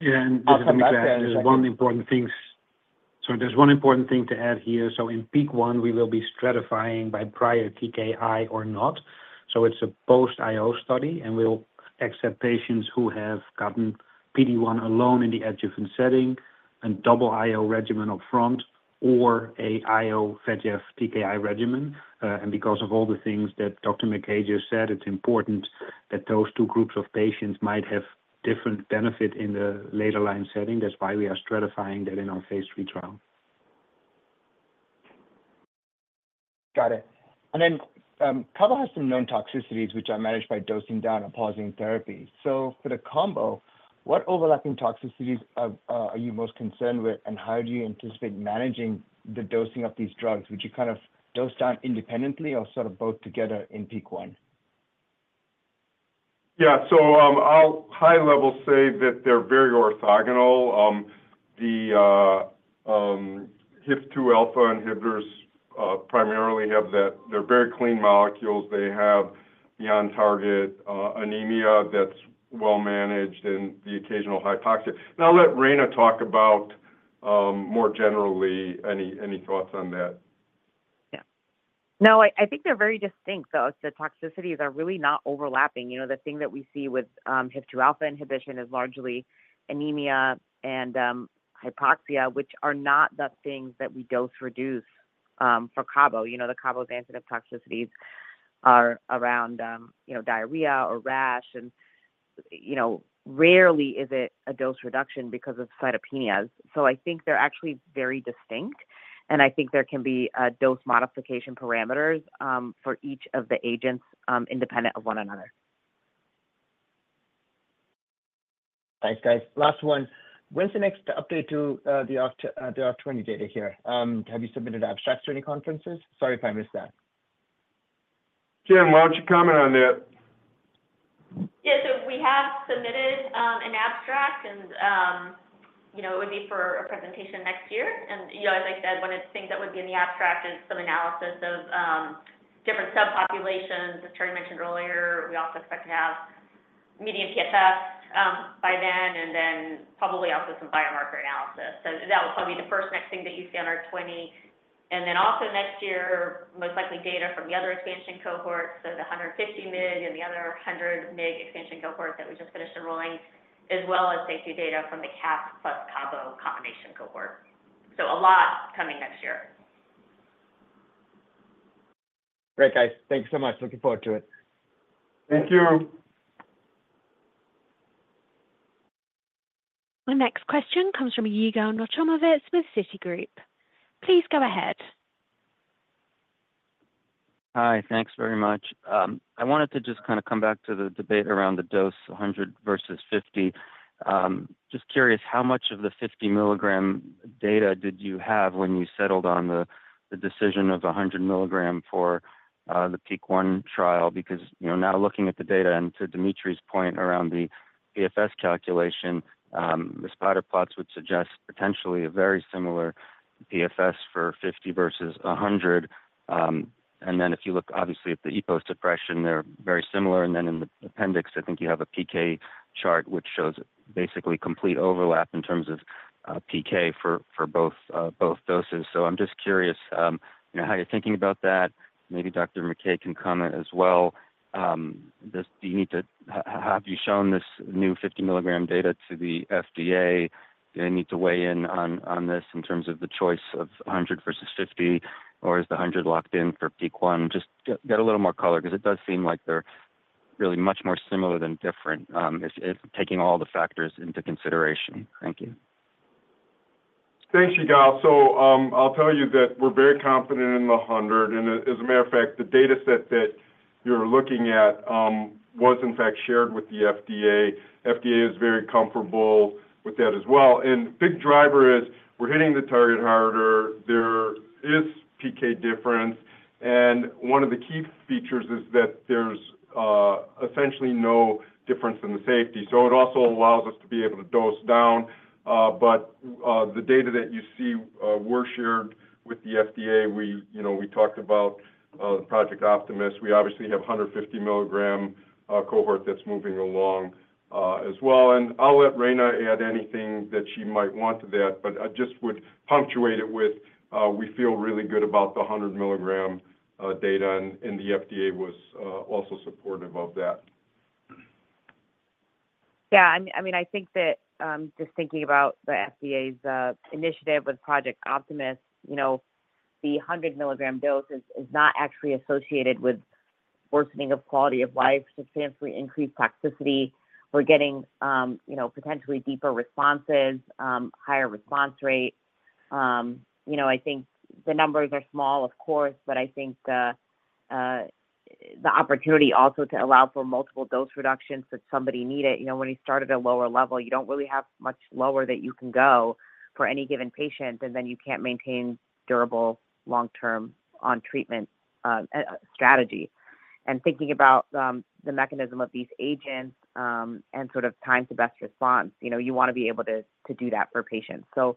S5: Yeah, and this is one important things. So there's one important thing to add here. So in PEAK-1, we will be stratifying by prior TKI or not. So it's a post-IO study, and we'll accept patients who have gotten PD-1 alone in the adjuvant setting and double IO regimen up front or a IO VEGF TKI regimen. And because of all the things that Dr. McKay just said, it's important that those two groups of patients might have different benefit in the later line setting. That's why we are stratifying that in our phase 3 trial.
S13: Got it. And then, Cabo has some known toxicities, which are managed by dosing down and pausing therapy. So for the combo, what overlapping toxicities are you most concerned with, and how do you anticipate managing the dosing of these drugs? Would you kind of dose down independently or sort of both together in PEAK-1?
S3: Yeah. So, I'll high level say that they're very orthogonal. The HIF-2alpha inhibitors primarily have that they're very clean molecules. They have on-target anemia that's well managed and the occasional hypoxia. And I'll let Rana talk about more generally any thoughts on that.
S4: Yeah. No, I, I think they're very distinct, though. The toxicities are really not overlapping. You know, the thing that we see with HIF-2 alpha inhibition is largely anemia and hypoxia, which are not the things that we dose reduce for cabo. You know, the cabo's adverse toxicities are around you know, diarrhea or rash, and you know, rarely is it a dose reduction because of cytopenias. So I think they're actually very distinct, and I think there can be dose modification parameters for each of the agents independent of one another.
S13: Thanks, guys. Last one: When's the next update to the ARC-20 data here? Have you submitted abstracts to any conferences? Sorry if I missed that.
S3: Juan, why don't you comment on that?
S9: Yeah. So we have submitted an abstract, and you know, it would be for a presentation next year. You know, as I said, one of the things that would be in the abstract is some analysis of different subpopulations. As Terry mentioned earlier, we also expect to have median PFS by then and then probably also some biomarker analysis. That will probably be the first next thing that you see on our ARC-20. Then also next year, most likely data from the other expansion cohorts, so the 150-mg and the other 100-mg expansion cohort that we just finished enrolling, as well as safety data from the CAS plus cabo combination cohort. A lot coming next year.
S13: Great, guys. Thank you so much. Looking forward to it.
S3: Thank you.
S1: The next question comes from Yigal Nochomovitz with Citigroup. Please go ahead.
S14: Hi, thanks very much. I wanted to just kind of come back to the debate around the dose, a hundred versus fifty. Just curious, how much of the fifty milligram data did you have when you settled on the decision of a hundred milligram for the PEAK-1 trial? Because, you know, now looking at the data and to Dimitry's point around the PFS calculation, the spider plots would suggest potentially a very similar PFS for fifty versus a hundred. And then if you look obviously at the EPO suppression, they're very similar. And then in the appendix, I think you have a PK chart, which shows basically complete overlap in terms of PK for both doses. So I'm just curious, you know, how you're thinking about that. Maybe Dr. McKay can comment as well. Have you shown this new 50 milligram data to the FDA? Do they need to weigh in on this in terms of the choice of 100 versus 50, or is the 100 locked in for PEAK-1? Just get a little more color because it does seem like they're really much more similar than different, if taking all the factors into consideration. Thank you.
S3: Thanks, Yigal, so I'll tell you that we're very confident in the 100, and as a matter of fact, the data set that you're looking at was in fact shared with the FDA. FDA is very comfortable with that as well, and big driver is we're hitting the target harder. There is PK difference, and one of the key features is that there's essentially no difference in the safety. So it also allows us to be able to dose down, but the data that you see were shared with the FDA. We, you know, we talked about Project Optimus. We obviously have 150 milligram cohort that's moving along as well. And I'll let Rana add anything that she might want to that, but I just would punctuate it with, we feel really good about the 100 milligram data, and the FDA was also supportive of that.
S4: Yeah, I mean, I think that just thinking about the FDA's initiative with Project Optimus, you know, the 100-milligram dose is not actually associated with worsening of quality of life, substantially increased toxicity. We're getting you know, potentially deeper responses, higher response rate. You know, I think the numbers are small, of course, but I think the opportunity also to allow for multiple dose reductions if somebody need it. You know, when you start at a lower level, you don't really have much lower that you can go for any given patient, and then you can't maintain durable long-term on treatment strategy. And thinking about the mechanism of these agents and sort of time to best response, you know, you want to be able to do that for patients. So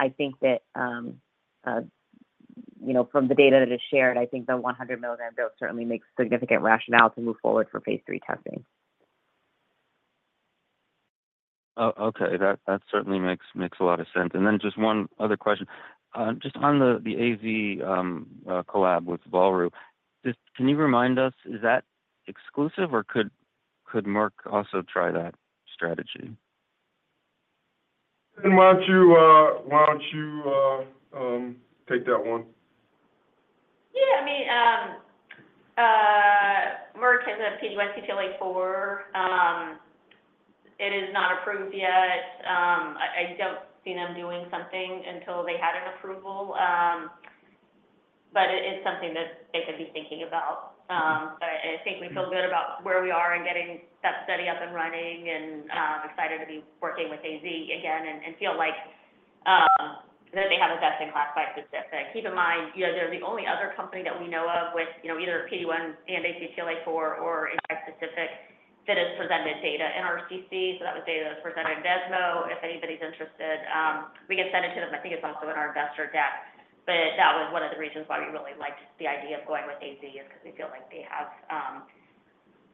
S4: I think that, you know, from the data that is shared, I think the 100 mg dose certainly makes significant rationale to move forward for phase 3 testing.
S14: Oh, okay. That certainly makes a lot of sense. And then just one other question. Just on the AZ collab with Volru, just can you remind us, is that exclusive, or could Merck also try that strategy?
S3: And why don't you take that one?
S9: Yeah. I mean, Merck has a PD-1 CTLA-4. It is not approved yet. I don't see them doing something until they had an approval, but it is something that they could be thinking about. So I think we feel good about where we are in getting that study up and running, and excited to be working with AZ again and feel like that they have a best-in-class bispecific. Keep in mind, you know, they're the only other company that we know of with, you know, either PD-1 and CTLA-4 or in bispecific, that has presented data in RCC. So that was data that was presented at ESMO. If anybody's interested, we can send it to them. I think it's also in our investor deck, but that was one of the reasons why we really liked the idea of going with AZ, is because we feel like they have,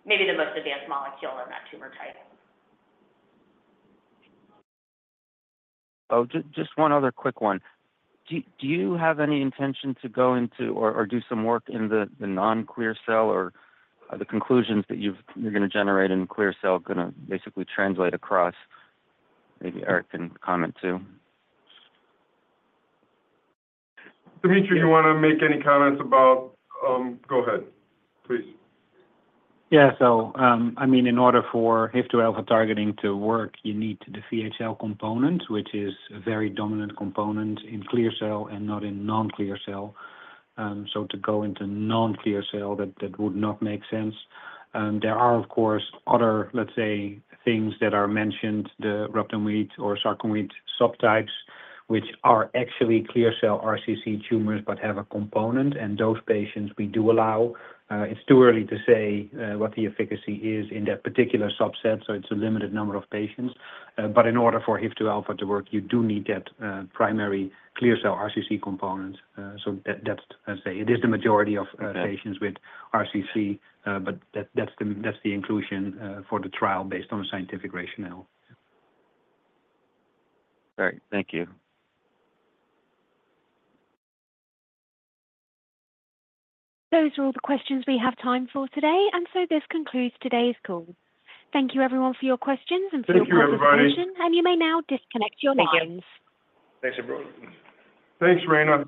S9: maybe the most advanced molecule in that tumor type.
S14: Oh, just one other quick one. Do you have any intention to go into or do some work in the non-clear cell, or are the conclusions that you've-- you're gonna generate in clear cell gonna basically translate across? Maybe Eric can comment too.
S3: Dimitry, do you want to make any comments about... go ahead, please.
S5: Yeah. So, I mean, in order for HIF-2alpha targeting to work, you need the VHL component, which is a very dominant component in clear cell and not in non-clear cell. So to go into non-clear cell, that would not make sense. And there are, of course, other, let's say, things that are mentioned, the rhabdoid or sarcomatoid subtypes, which are actually clear cell RCC tumors but have a component. And those patients we do allow. It's too early to say what the efficacy is in that particular subset, so it's a limited number of patients. But in order for HIF-2alpha to work, you do need that primary clear cell RCC component. So that, that's, I say, it is the majority of,
S14: Okay...
S5: patients with RCC, but that's the inclusion for the trial based on a scientific rationale.
S14: All right. Thank you.
S1: Those are all the questions we have time for today, and so this concludes today's call. Thank you, everyone, for your questions and for your participation.
S3: Thank you, everybody.
S1: You may now disconnect your lines.
S4: Thank you.
S3: Thanks, everyone. Thanks, Rana.